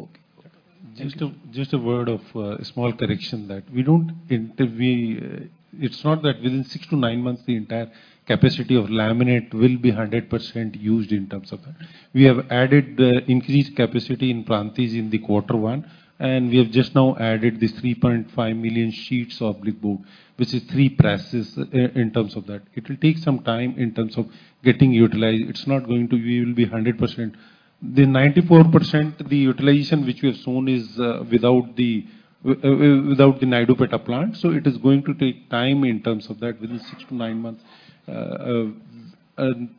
Okay. Just a word of a small correction that we don't inter-- It's not that within six to nine months, the entire capacity of laminate will be 100% used in terms of that. We have added the increased capacity in Prantij in the quarter one, and we have just now added this 3.5 million sheets of chipboard, which is three presses in terms of that. It will take some time in terms of getting utilized. It's not going to be, will be 100%. The 94%, the utilization which we have shown is without the, without the Naidupeta plant, so it is going to take time in terms of that, within six to nine months....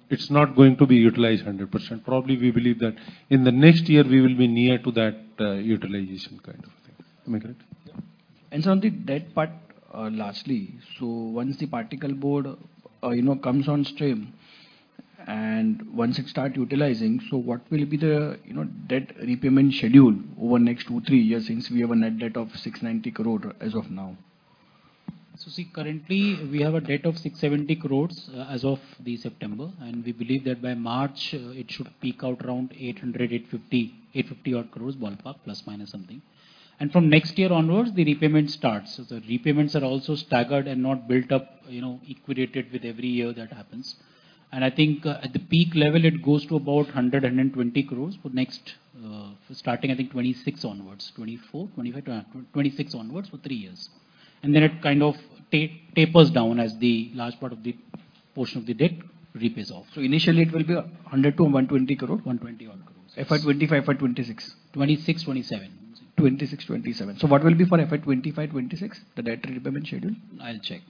it's not going to be utilized 100%. Probably, we believe that in the next year, we will be near to that, utilization kind of thing. Am I correct? Yeah. On the debt part, lastly, so once the particle board, you know, comes on stream, and once it start utilizing, so what will be the, you know, debt repayment schedule over the next two, three years, since we have a net debt of 690 crore as of now? So see, currently, we have a debt of 670 crores, as of this September, and we believe that by March, it should peak out around 800-850 crores, 850 odd crores, ballpark, plus minus something. And from next year onwards, the repayment starts. So the repayments are also staggered and not built up, you know, equated with every year that happens. And I think, at the peak level, it goes to about 100-120 crores for next, starting, I think, 2026 onwards, 2024, 2025, 2026 onwards for three years. And then it kind of tapers down as the large part of the portion of the debt repays off. Initially, it will be 100 crore-120 crore? INR 120-odd crores. FY 2025, FY 2026. 2026, 2027. 2026, 2027. So what will be for FY 2025, 2026, the debt repayment schedule? I'll check.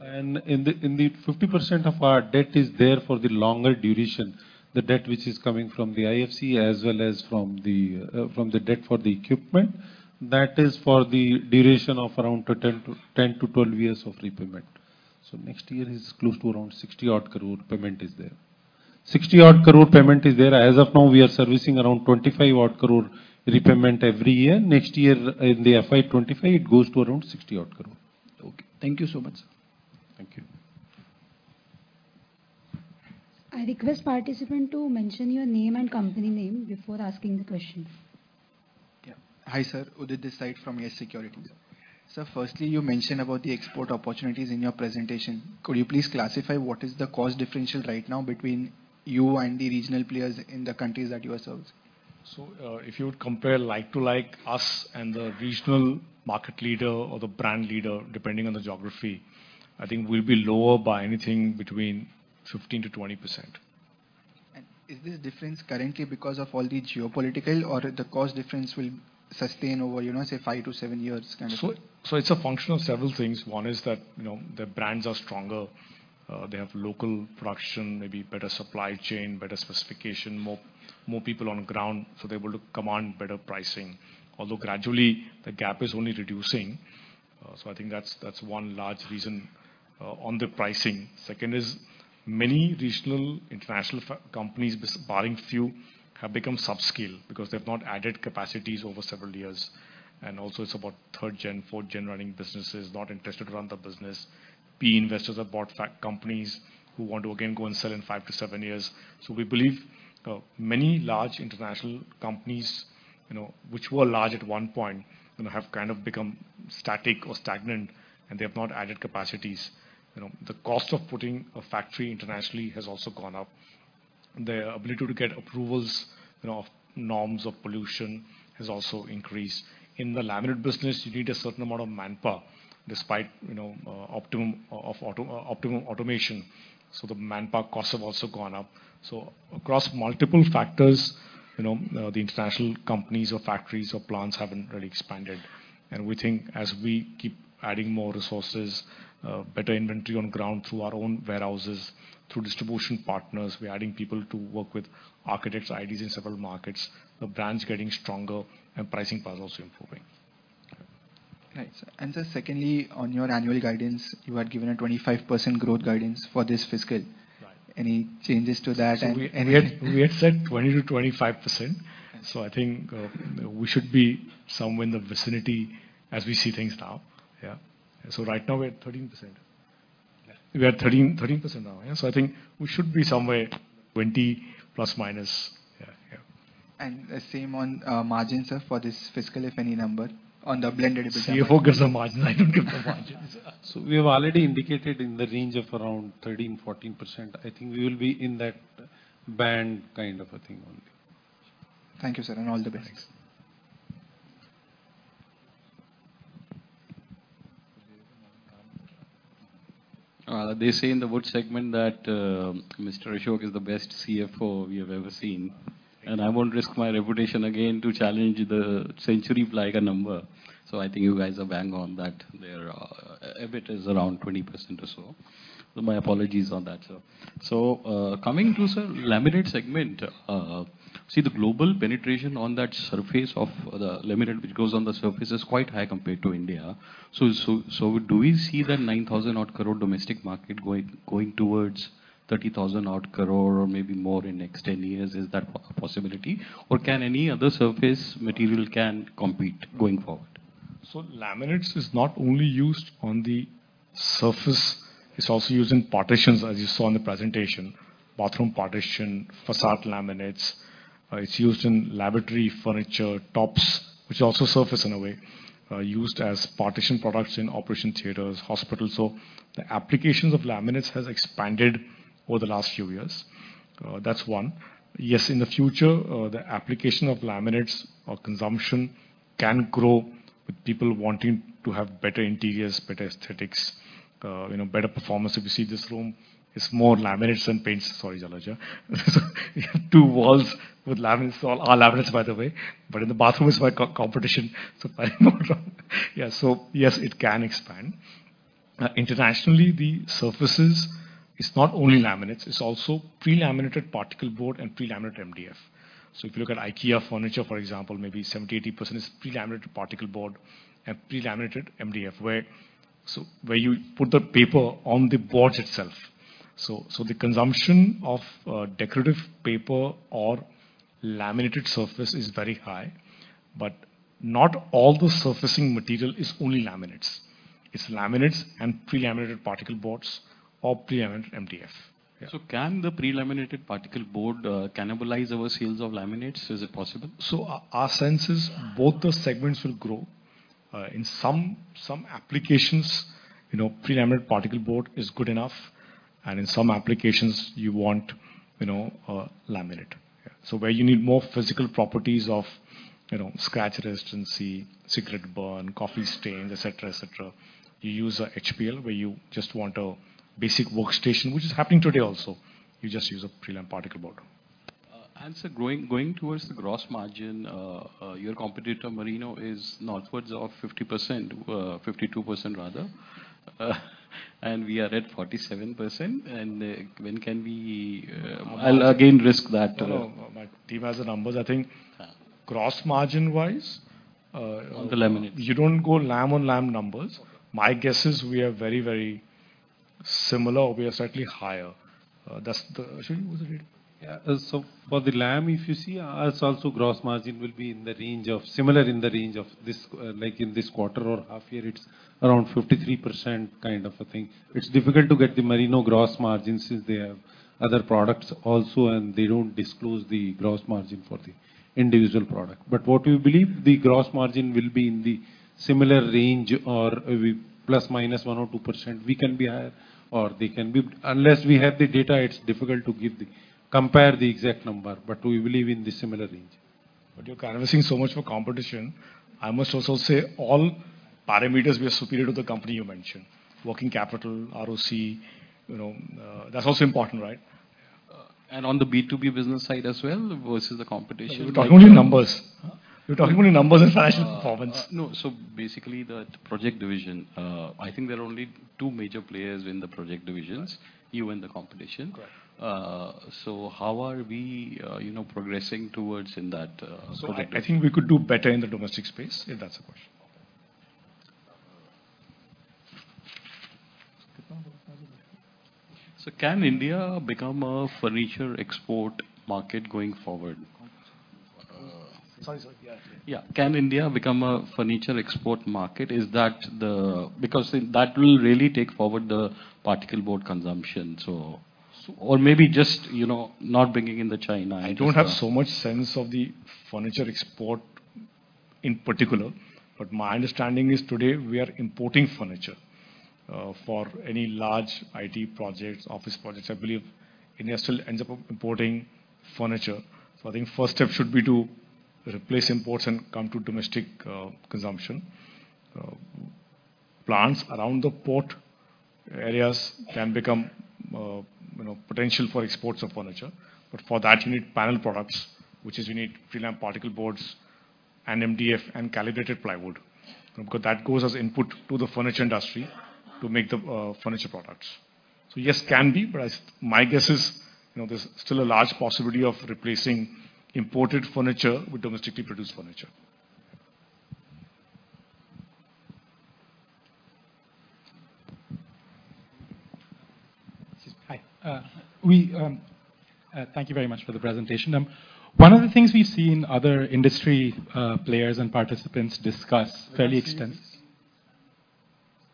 And in the 50% of our debt is there for the longer duration, the debt which is coming from the IFC as well as from the debt for the equipment. That is for the duration of around 10-12 years of repayment. So next year is close to around 60-odd crore payment is there. 60-odd crore payment is there. As of now, we are servicing around 25-odd crore repayment every year. Next year, in the FY 2025, it goes to around 60-odd crore. Okay. Thank you so much, sir. Thank you. I request participants to mention your name and company name before asking the questions. Yeah. Hi, sir, Udit Gajiwala from Yes Securities. Sir, firstly, you mentioned about the export opportunities in your presentation. Could you please classify what is the cost differential right now between you and the regional players in the countries that you are serving? If you would compare like to like, us and the regional market leader or the brand leader, depending on the geography, I think we'll be lower by anything between 15%-20%. Is this difference currently because of all the geopolitical or the cost difference will sustain over, you know, say, five to seven years kind of thing? So, it's a function of several things. One is that, you know, their brands are stronger, they have local production, maybe better supply chain, better specification, more people on the ground, so they're able to command better pricing, although gradually, the gap is only reducing. So I think that's one large reason on the pricing. Second is many regional international companies, barring few, have become subscale because they've not added capacities over several years. And also, it's about third gen, fourth gen running businesses, not interested to run the business. PE investors have bought companies who want to again go and sell in five to seven years. So we believe, many large international companies, you know, which were large at one point, you know, have kind of become static or stagnant, and they have not added capacities. You know, the cost of putting a factory internationally has also gone up. The ability to get approvals, you know, of norms of pollution has also increased. In the laminate business, you need a certain amount of manpower, despite, you know, optimum automation, so the manpower costs have also gone up. So across multiple factors, you know, the international companies or factories or plants haven't really expanded. And we think as we keep adding more resources, better inventory on ground through our own warehouses, through distribution partners, we're adding people to work with architects, IDs in several markets, the brand's getting stronger and pricing power is also improving. Right. And just secondly, on your annual guidance, you had given a 25% growth guidance for this fiscal. Right. Any changes to that? So we had said 20%-25%, so I think we should be somewhere in the vicinity as we see things now. Yeah. So right now, we're at 13%. We are at 13% now, yeah, so I think we should be somewhere 20±. Yeah, yeah. And the same on, margins, sir, for this fiscal, if any number on the blended- CFO gives the margins. I don't give the margins. We have already indicated in the range of around 13%-14%. I think we will be in that band kind of a thing only. Thank you, sir, and all the best. Thanks. They say in the wood segment that Mr. Ashok is the best CFO we have ever seen, and I won't risk my reputation again to challenge the 20% EBITDA number. So I think you guys are bang on that. There, EBIT is around 20% or so. My apologies on that, sir. So, coming to, sir, laminate segment, see, the global penetration on that surface of the laminate, which goes on the surface, is quite high compared to India. So do we see the 9,000-odd crore domestic market going towards 30,000-odd crore or maybe more in next 10 years? Is that a possibility, or can any other surface material can compete going forward? So laminates is not only used on the surface, it's also used in partitions, as you saw in the presentation, bathroom partition, facade laminates. It's used in laboratory furniture, tops, which are also surface in a way, used as partition products in operation theaters, hospitals. So the applications of laminates has expanded over the last few years. That's one. Yes, in the future, the application of laminates or consumption can grow with people wanting to have better interiors, better aesthetics, you know, better performance. If you see this room, it's more laminates than paints. Sorry, Jalaj. Two walls with laminates, all, all laminates, by the way, but in the bathroom, it's my co- competition, so I know wrong. Yeah, so yes, it can expand. Internationally, the surfaces is not only laminates, it's also pre-laminated particleboard and pre-laminated MDF. So if you look at IKEA furniture, for example, maybe 70%-80% is pre-laminated particleboard and pre-laminated MDF, where you put the paper on the boards itself. So the consumption of decorative paper or laminated surface is very high, but not all the surfacing material is only laminates. It's laminates and pre-laminated particleboards or pre-laminated MDF. Yeah.Can the pre-laminated particle board cannibalize our sales of laminates? Is it possible? So our sense is both the segments will grow. In some applications, you know, pre-laminated particle board is good enough, and in some applications you want, you know, a laminate. Yeah. So where you need more physical properties of, you know, scratch resistance, cigarette burn, coffee stain, et cetera, et cetera, you use a HPL, where you just want a basic workstation, which is happening today also. You just use a pre-lam particle board. And so going towards the gross margin, your competitor, Merino, is upwards of 50%, 52%, rather, and we are at 47%. When can we I'll again risk that. No, no, my team has the numbers. I think, gross margin-wise, On the laminates. You don't go lam on lam numbers. Okay. My guess is we are very, very similar, or we are slightly higher. That's the... Ashwin, was it? Yeah. So for the lam, if you see, us also, gross margin will be in the range of—similar in the range of this, like, in this quarter or half year, it's around 53%, kind of a thing. It's difficult to get the Merino gross margins, since they have other products also, and they don't disclose the gross margin for the individual product. But what we believe, the gross margin will be in the similar range or, we ±1%-2%. We can be higher, or they can be. Unless we have the data, it's difficult to give the—compare the exact number, but we believe in the similar range. But you're canvassing so much for competition. I must also say, all parameters, we are superior to the company you mentioned, working capital, ROC, you know, that's also important, right? On the B2B business side as well, versus the competition? We're talking only numbers. We're talking only numbers and financial performance. No, so basically, the project division, I think there are only two major players in the project divisions. Right. you and the competition. Correct. How are we, you know, progressing towards in that project? I think we could do better in the domestic space, if that's the question. Okay. So can India become a furniture export market going forward? Sorry, sir. Yeah. Yeah. Can India become a furniture export market? Is that the... Because that will really take forward the particleboard consumption. So, or maybe just, you know, not bringing in the China. I just, I don't have so much sense of the furniture export in particular, but my understanding is today, we are importing furniture. For any large IT projects, office projects, I believe India still ends up importing furniture. So I think first step should be to replace imports and come to domestic consumption. Plants around the port areas can become, you know, potential for exports of furniture. But for that, you need panel products, which is you need prelam particleboards and MDF and calibrated plywood, because that goes as input to the furniture industry to make the furniture products. So yes, can be, but my guess is, you know, there's still a large possibility of replacing imported furniture with domestically produced furniture. Hi. Thank you very much for the presentation. One of the things we've seen other industry players and participants discuss fairly extens-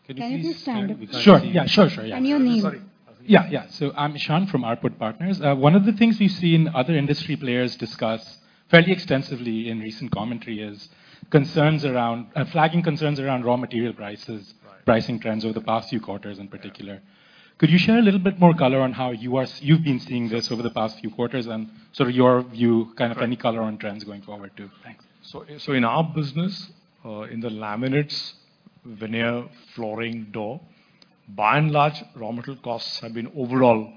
Can you please? Can I just stand up? Sure. Yeah, sure, sure, yeah. Your name? Sorry. Yeah, yeah. So I'm Ishaan from Ambit Capital. One of the things we've seen other industry players discuss fairly extensively in recent commentary is concerns around... flagging concerns around raw material prices- Right. pricing trends over the past few quarters, in particular. Yeah. Could you share a little bit more color on how you've been seeing this over the past few quarters, and sort of your view, kind of any color on trends going forward, too? Thanks. In our business, in the laminates, veneer, flooring, door, by and large, raw material costs have been overall,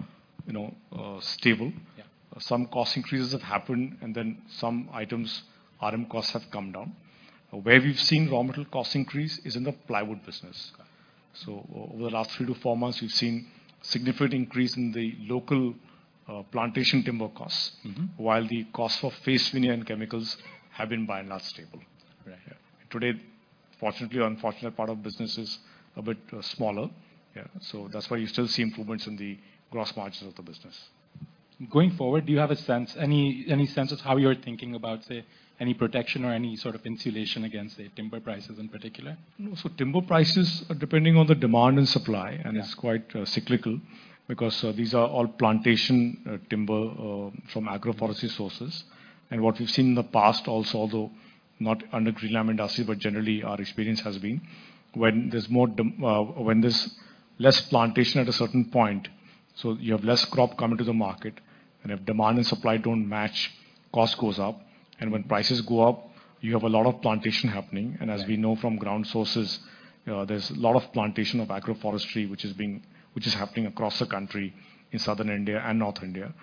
you know, stable. Yeah. Some cost increases have happened, and then some items, RM costs have come down. Where we've seen raw material cost increase is in the plywood business. Okay. So over the last three to four months, we've seen significant increase in the local plantation timber costs. Mm-hmm. While the cost for face veneer and chemicals have been by and large, stable. Right. Yeah. Today, fortunately or unfortunate, part of the business is a bit smaller. Yeah. That's why you still see improvements in the gross margins of the business. Going forward, do you have a sense, any, any sense of how you're thinking about, say, any protection or any sort of insulation against the timber prices in particular? So timber prices are depending on the demand and supply- Yeah. -and it's quite cyclical, because these are all plantation timber from agroforestry sources. And what we've seen in the past also, although not under Greenlam Industries, but generally our experience has been, when there's less plantation at a certain point, so you have less crop coming to the market, and if demand and supply don't match, cost goes up. And when prices go up, you have a lot of plantation happening. Right. As we know from ground sources. There's a lot of plantation of Agroforestry which is happening across the country in southern India and northern India.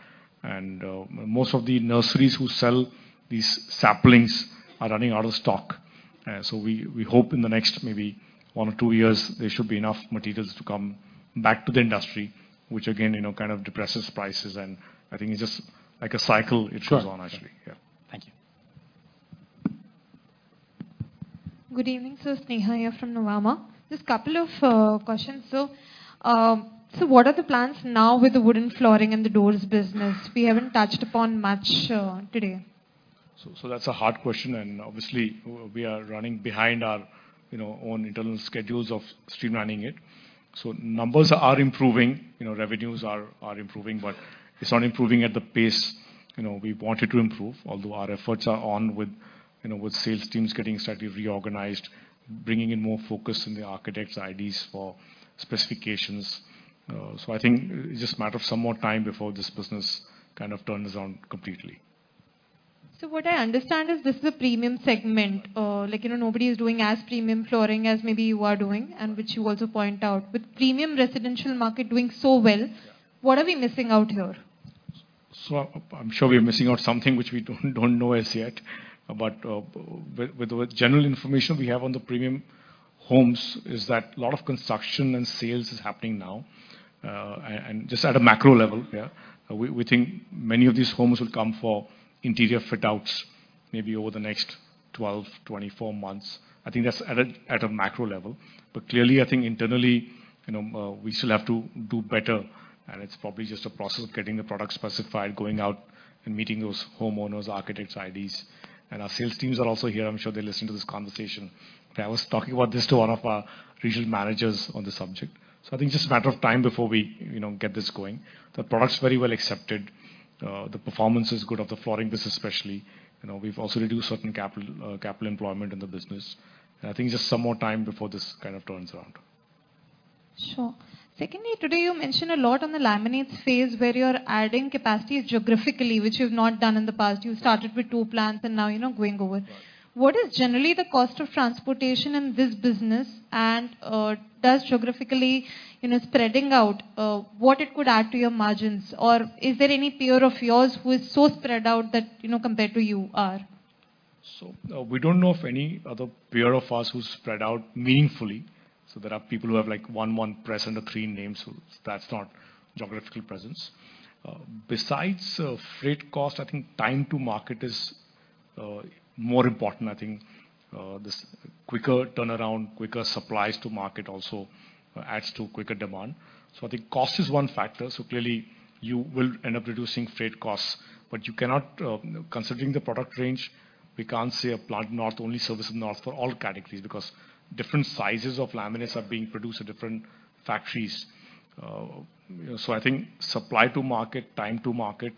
And, most of the nurseries who sell these saplings are running out of stock. So we hope in the next maybe one or two years, there should be enough materials to come back to the industry, which again, you know, kind of depresses prices. And I think it's just like a cycle, it goes on, actually. Sure. Yeah. Thank you. Good evening, sir. Sneha here from Nuvama. Just couple of questions. So, what are the plans now with the wooden flooring and the doors business? We haven't touched upon much today. So that's a hard question, and obviously, we are running behind our, you know, own internal schedules of streamlining it. So numbers are improving, you know, revenues are improving, but it's not improving at the pace, you know, we want it to improve. Although our efforts are on with, you know, with sales teams getting slightly reorganized, bringing in more focus in the architects' IDs for specifications. So I think it's just a matter of some more time before this business kind of turns around completely. So what I understand is this is a premium segment. Like, you know, nobody is doing as premium flooring as maybe you are doing, and which you also point out. With premium residential market doing so well, what are we missing out here? So I'm sure we are missing out something which we don't know as yet. But with the general information we have on the premium homes is that a lot of construction and sales is happening now, and just at a macro level, yeah, we think many of these homes will come for interior fit outs, maybe over the next 12-24 months. I think that's at a macro level. But clearly, I think internally, you know, we still have to do better, and it's probably just a process of getting the product specified, going out and meeting those homeowners, architects, IDs. And our sales teams are also here, I'm sure they listen to this conversation. But I was talking about this to one of our regional managers on the subject. So I think just a matter of time before we, you know, get this going. The product's very well accepted. The performance is good of the flooring business, especially. You know, we've also reduced certain capital, capital employment in the business. I think just some more time before this kind of turns around. Sure. Secondly, today you mentioned a lot on the laminates phase, where you're adding capacity geographically, which you've not done in the past. You started with two plants and now, you know, going over. Right. What is generally the cost of transportation in this business? And, does geographically, you know, spreading out, what it could add to your margins, or is there any peer of yours who is so spread out that, you know, compared to you are? So we don't know of any other peer of ours who's spread out meaningfully. So there are people who have, like, one presence or three names, so that's not geographical presence. Besides, freight cost, I think time to market is more important. I think this quicker turnaround, quicker supplies to market also adds to quicker demand. So I think cost is one factor. So clearly, you will end up reducing freight costs, but you cannot. Considering the product range, we can't say a plant north only services north for all categories, because different sizes of laminates are being produced at different factories. So I think supply to market, time to market,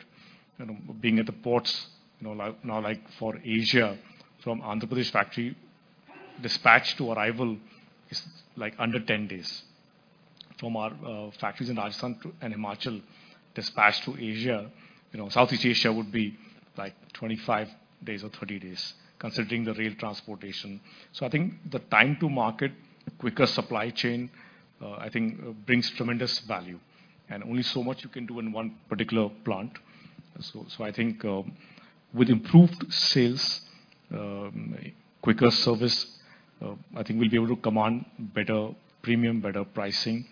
and being at the ports, you know, like, for Asia, from Andhra Pradesh factory, dispatch to arrival is, like, under ten days. From our factories in Rajasthan to and Himachal, dispatch to Asia, you know, Southeast Asia would be, like, 25 days or 30 days, considering the rail transportation. So I think the time to market, quicker supply chain, I think brings tremendous value and only so much you can do in one particular plant. So I think, with improved sales, quicker service, I think we'll be able to command better premium, better pricing,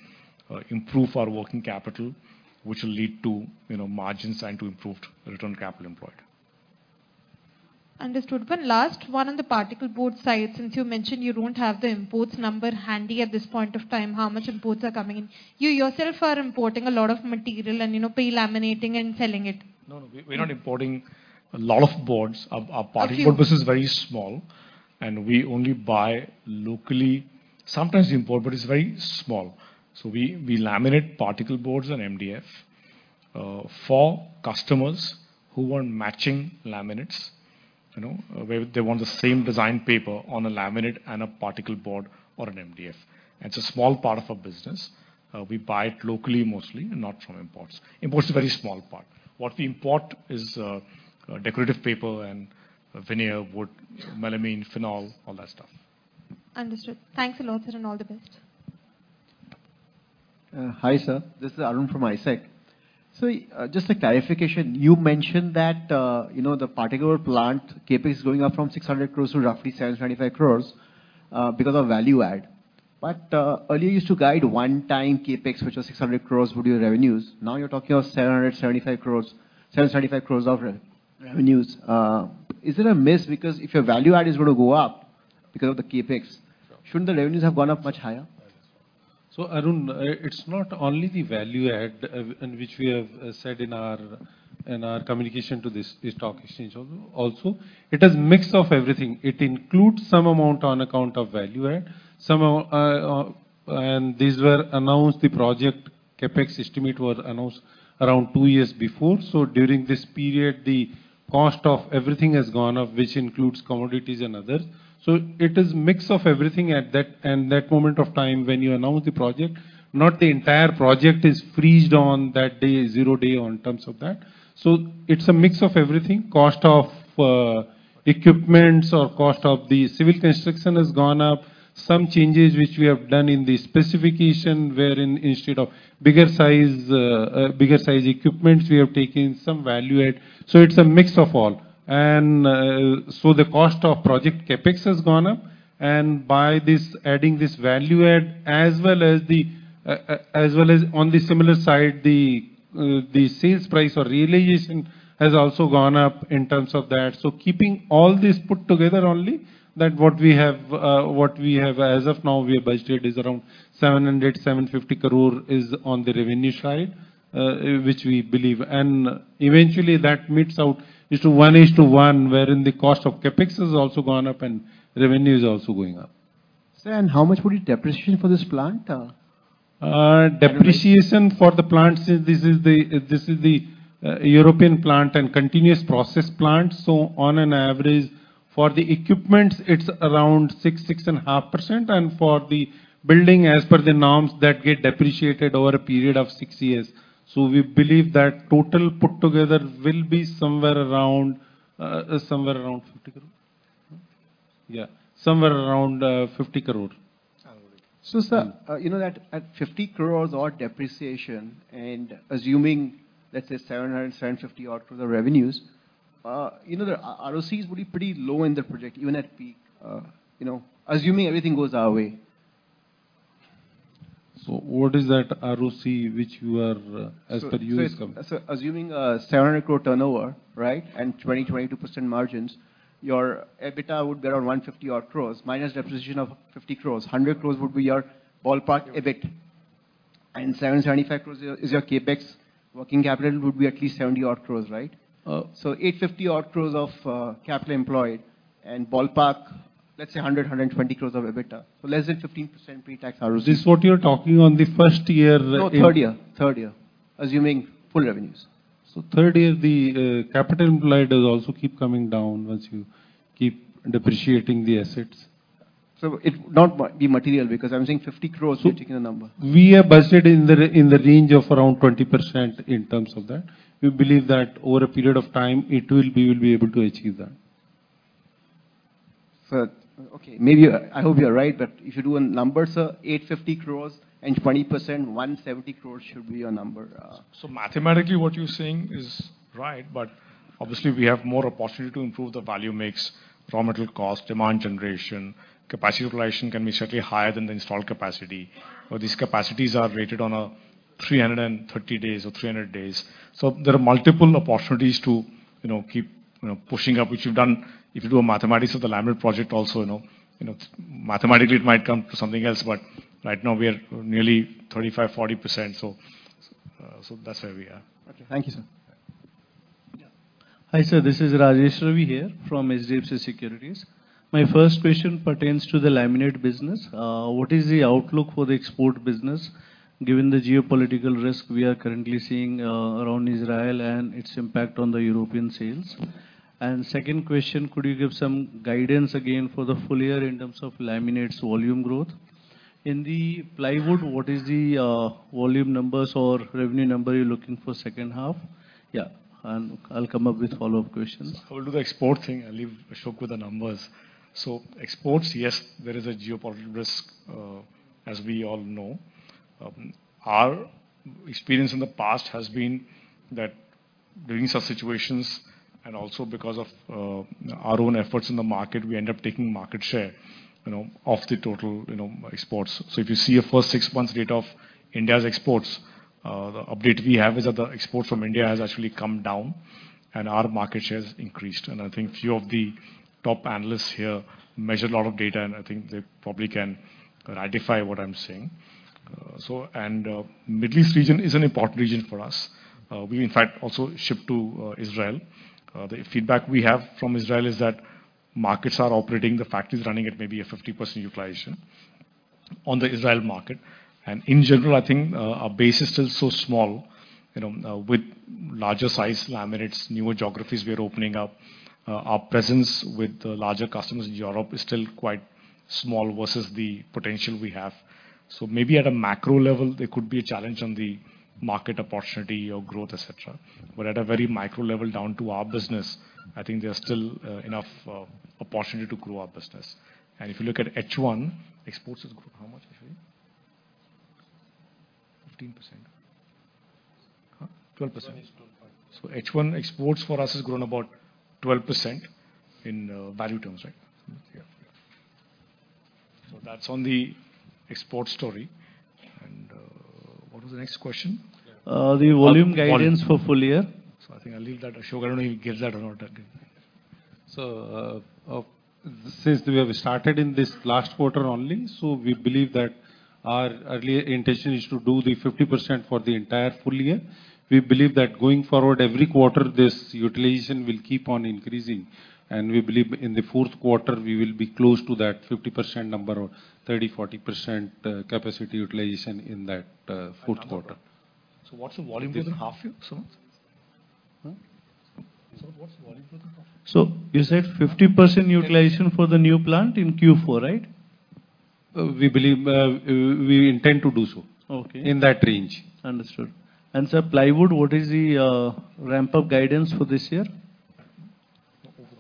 improve our working capital, which will lead to, you know, margins and to improved return on capital employed. Understood. But last one on the particle board side, since you mentioned you don't have the imports number handy at this point of time, how much imports are coming in? You yourself are importing a lot of material and, you know, pre-laminating and selling it. No, no, we're not importing a lot of boards. A few. Our particle board business is very small, and we only buy locally. Sometimes we import, but it's very small. So we laminate particle boards and MDF for customers who want matching laminates, you know, where they want the same design paper on a laminate and a particle board or an MDF. It's a small part of our business. We buy it locally, mostly, and not from imports. Imports are very small part. What we import is decorative paper and veneer, wood, melamine, phenol, all that stuff. Understood. Thanks a lot, sir, and all the best. Hi, sir, this is Arun from ISEC. So, just a clarification, you mentioned that, you know, the particular plant CapEx is going up from 600 crore to roughly 775 crore, because of value add. But, earlier you used to guide one time CapEx, which was 600 crore, would be your revenues. Now, you're talking about 775 crore, 775 crore of revenues. Is it a miss? Because if your value add is going to go up because of the CapEx, shouldn't the revenues have gone up much higher? So, Arun, it's not only the value add, and which we have said in our, in our communication to the stock exchange also. It is mix of everything. It includes some amount on account of value add, some amount. And these were announced, the project CapEx estimate was announced around two years before. So during this period, the cost of everything has gone up, which includes commodities and others. So it is mix of everything at that, in that moment of time when you announce the project, not the entire project is frozen on that day, zero day in terms of that. So it's a mix of everything. Cost of equipment or cost of the civil construction has gone up. Some changes which we have done in the specification, wherein instead of bigger size, bigger size equipment, we have taken some value add. So it's a mix of all. So the cost of project CapEx has gone up, and by this, adding this value add, as well as the, as well as on the similar side, the, the sales price or realization has also gone up in terms of that. So keeping all this put together only, that what we have, what we have as of now, we have budgeted is around 700-750 crore on the revenue side, which we believe. And eventually, that meets out is 1:1, wherein the cost of CapEx has also gone up and revenue is also going up. Sir, and how much would be depreciation for this plant? Depreciation for the plant, since this is the European plant and continuous process plant, so on average, for the equipment, it's around 6%-6.5%, and for the building, as per the norms, that gets depreciated over a period of six years. So we believe that total put together will be somewhere around 50 crore. Yeah, somewhere around 50 crore. Sir, you know that at 50 crore of depreciation and assuming, let's say, 700-750 odd for the revenues, you know, the ROCE is pretty, pretty low in the project, even at peak, you know, assuming everything goes our way. So what is that ROC which you are, as per your- So, assuming 7 crore turnover, right? And 22% margins, your EBITDA would be around 150 crore, minus depreciation of 50 crore. 100 crore would be your ballpark, EBIT. And 775 crore is your CapEx. Working capital would be at least 70 crore, right? Uh- So 850 odd crore of capital employed, and ballpark, let's say 120 crore of EBITDA. So less than 15% pre-tax ROC. This is what you're talking on the first year, No, third year, third year, assuming full revenues. So third year, the capital employed does also keep coming down once you keep depreciating the assets. So it would not be material, because I'm saying 50 crore, we're taking the number. We are budgeted in the range of around 20% in terms of that. We believe that over a period of time, it will be. We'll be able to achieve that. Sir, okay, maybe, I hope you're right, but if you do in numbers, sir, 850 crores and 20%, 170 crores should be your number. So mathematically, what you're saying is right, but obviously we have more opportunity to improve the value mix, raw material cost, demand generation, capacity utilization can be certainly higher than the installed capacity. So these capacities are rated on a 330 days or 300 days. So there are multiple opportunities to, you know, keep, you know, pushing up, which you've done. If you do a mathematics of the laminate project also, you know, mathematically, it might come to something else, but right now, we are nearly 35%-40%. So, so that's where we are. Okay. Thank you, sir. Yeah. Hi, sir, this is Rajesh Ravi here from HDFC Securities. My first question pertains to the laminate business. What is the outlook for the export business, given the geopolitical risk we are currently seeing around Israel and its impact on the European sales? And second question, could you give some guidance again for the full year in terms of laminates volume growth? In the plywood, what is the volume numbers or revenue number you're looking for second half? Yeah, and I'll come up with follow-up questions. I will do the export thing. I'll leave Ashok with the numbers. So exports, yes, there is a geopolitical risk, as we all know. Our experience in the past has been that during such situations, and also because of, our own efforts in the market, we end up taking market share, you know, of the total, you know, exports. So if you see a first six months rate of India's exports, the update we have is that the export from India has actually come down and our market share has increased. And I think few of the top analysts here measure a lot of data, and I think they probably can ratify what I'm saying. So and, the Middle East region is an important region for us. We in fact also ship to Israel. The feedback we have from Israel is that markets are operating, the factory is running at maybe a 50% utilization on the Israel market. And in general, I think, our base is still so small, you know, with larger size laminates, newer geographies we are opening up, our presence with the larger customers in Europe is still quite small versus the potential we have. So maybe at a macro level, there could be a challenge on the market opportunity or growth, et cetera. But at a very micro level, down to our business, I think there's still, enough, opportunity to grow our business. And if you look at H1, exports has grown how much? 15%. Huh? 12%. 12 point. H1 exports for us has grown about 12% in value terms, right? Yeah. So that's on the export story. What was the next question? The volume guidance for full year. I think I'll leave that to Ashok Sharma. He'll give that around again. Since we have started in this last quarter only, so we believe that our early intention is to do the 50% for the entire full year. We believe that going forward, every quarter, this utilization will keep on increasing, and we believe in the fourth quarter, we will be close to that 50% number, or 30%-40% capacity utilization in that fourth quarter. So what's the volume for the half year, sir? Huh? So what's the volume for the half year? So you said 50% utilization for the new plant in Q4, right? We believe, we intend to do so. Okay. In that range. Understood. Sir, plywood, what is the ramp-up guidance for this year? ...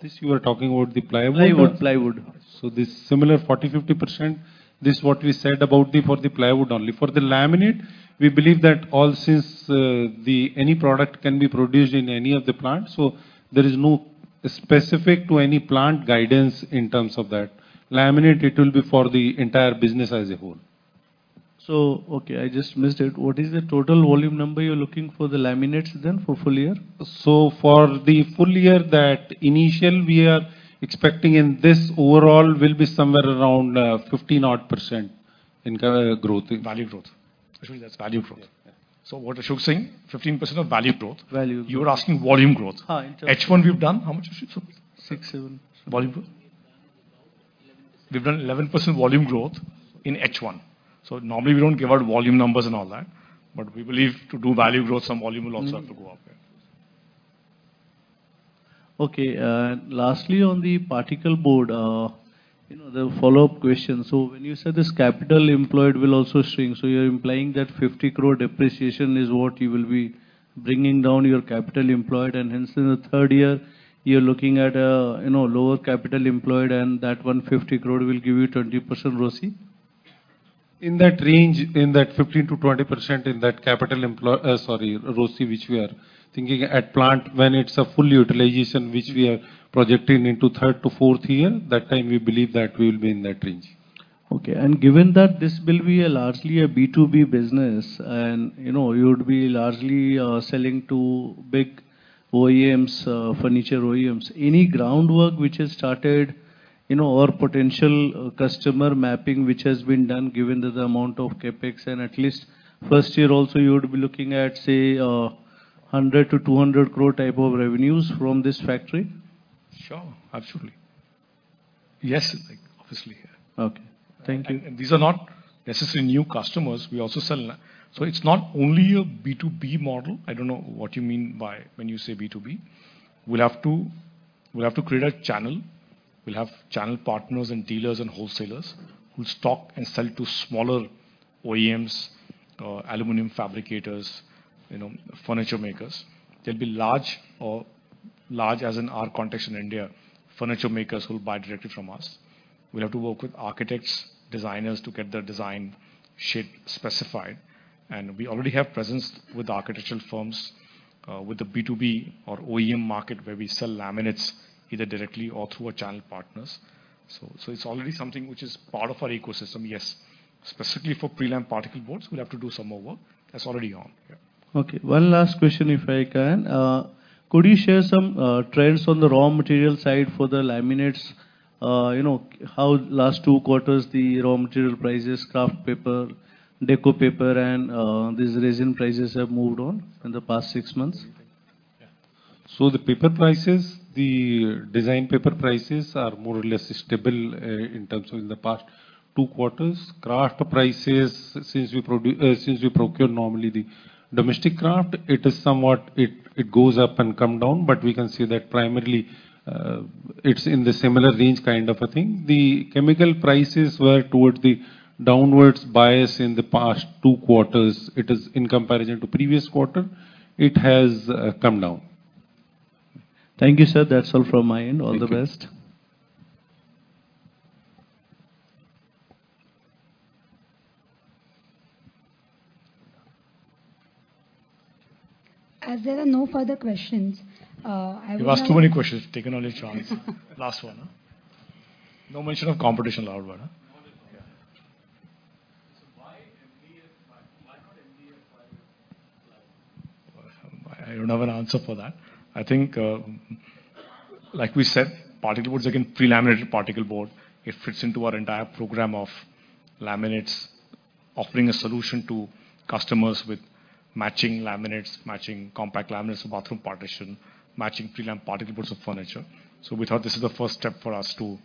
This you are talking about the plywood? Plywood, plywood.th This similar 40%-50%, this is what we said about the, for the plywood only. For the laminate, we believe that all since, the, any product can be produced in any of the plants, so there is no specific to any plant guidance in terms of that. Laminate, it will be for the entire business as a whole. So, okay, I just missed it. What is the total volume number you're looking for the laminates then, for full year? For the full year, that initial we are expecting in this overall will be somewhere around 15-odd% in kind of growth. Value growth. Actually, that's value growth. Yeah, yeah. What Ashok is saying, 15% of value growth. Value. You were asking volume growth. In terms- H1 we've done, how much is it, Ashok? Six, seven. Volume growth? Eleven. We've done 11% volume growth in H1. So normally, we don't give out volume numbers and all that, but we believe to do value growth, some volume will also have to go up. Okay, lastly, on the particle board, you know, the follow-up question: so when you said this capital employed will also shrink, so you're implying that 50 crore depreciation is what you will be bringing down your capital employed, and hence, in the third year, you're looking at a, you know, lower capital employed, and that 150 crore will give you 20% ROCE? In that range, in that 15%-20% ROCE, which we are thinking at plant, when it's a full utilization, which we are projecting into third to fourth year, that time we believe that we will be in that range. Okay, and given that this will be a largely a B2B business, and, you know, you would be largely, selling to big OEMs, furniture OEMs, any groundwork which has started, you know, or potential customer mapping which has been done given the amount of CapEx? And at least first year also, you would be looking at, say, 100 crore-200 crore type of revenues from this factory. Sure. Absolutely. Yes, obviously, yeah. Okay, thank you. These are not necessarily new customers. We also sell. So it's not only a B2B model, I don't know what you mean by when you say B2B. We'll have to create a channel. We'll have channel partners and dealers and wholesalers who stock and sell to smaller OEMs, aluminum fabricators, you know, furniture makers. There'll be large, as in our context in India, furniture makers who'll buy directly from us. We'll have to work with architects, designers to get their design sheet specified. And we already have presence with architectural firms, with the B2B or OEM market, where we sell laminates either directly or through our channel partners. So it's already something which is part of our ecosystem, yes. Specifically for prelam particleboards, we'll have to do some more work. That's already on, yeah. Okay, one last question, if I can. Could you share some trends on the raw material side for the laminates? You know, how last two quarters, the raw material prices, kraft paper, decor paper, and these resin prices have moved on in the past six months? Yeah. So the paper prices, the design paper prices, are more or less stable in terms of in the past two quarters. Kraft prices, since we procure normally the domestic kraft, it is somewhat, it goes up and come down, but we can say that primarily it's in the similar range kind of a thing. The chemical prices were towards the downwards bias in the past two quarters. It is in comparison to previous quarter, it has come down. Thank you, sir. That's all from my end. Thank you. All the best. As there are no further questions, I would like- You've asked too many questions, taken all his time. Last one, huh? No mention of competition, however, huh? No. Okay. Why MDF, why, why not MDF, plywood? I don't have an answer for that. I think, like we said, particleboards, again, pre-laminated particleboard, it fits into our entire program of laminates, offering a solution to customers with matching laminates, matching compact laminates and bathroom partition, matching prelam particleboards of furniture. So we thought this is the first step for us to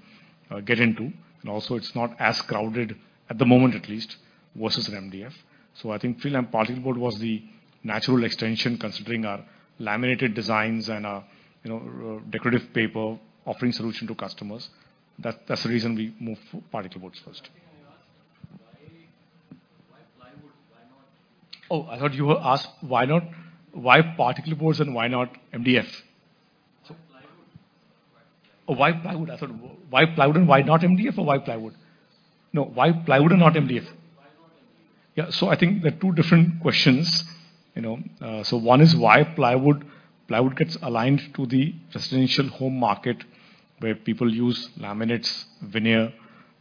get into, and also it's not as crowded, at the moment at least, versus an MDF. So I think prelam particleboard was the natural extension, considering our laminated designs and our, you know, decorative paper offering solution to customers. That, that's the reason we moved for particleboards first. I think I asked, why, why plywood? Why not... Oh, I thought you were asked why not, why particle boards and why not MDF? Why plywood? Oh, why plywood? I thought, why plywood and why not MDF, or why plywood? Yes. No, why plywood and not MDF? Why not MDF? Yeah. So I think there are two different questions, you know, so one is why plywood. Plywood gets aligned to the residential home market, where people use laminates, veneer,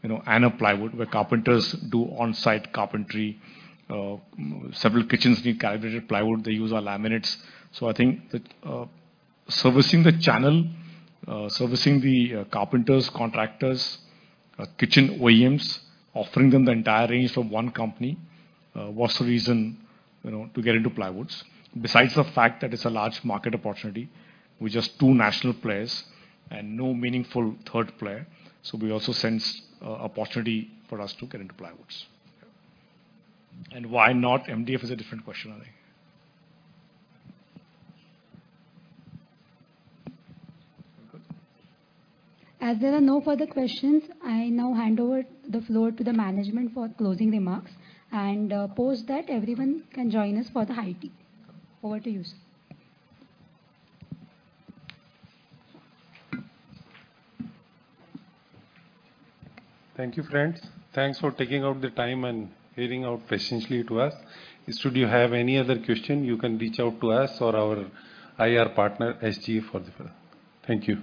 you know, and a plywood, where carpenters do on-site carpentry. Several kitchens need calibrated plywood. They use our laminates. So I think that, servicing the channel, servicing the carpenters, contractors, kitchen OEMs, offering them the entire range from one company, was the reason, you know, to get into plywoods. Besides the fact that it's a large market opportunity, with just two national players and no meaningful third player, so we also sense an opportunity for us to get into plywoods. Yeah. And why not MDF is a different question, I think. As there are no further questions, I now hand over the floor to the management for closing remarks, and, post that, everyone can join us for the high tea. Over to you, sir. Thank you, friends. Thanks for taking out the time and hearing out patiently to us. Should you have any other question, you can reach out to us or our IR partner, SGA, for the further. Thank you.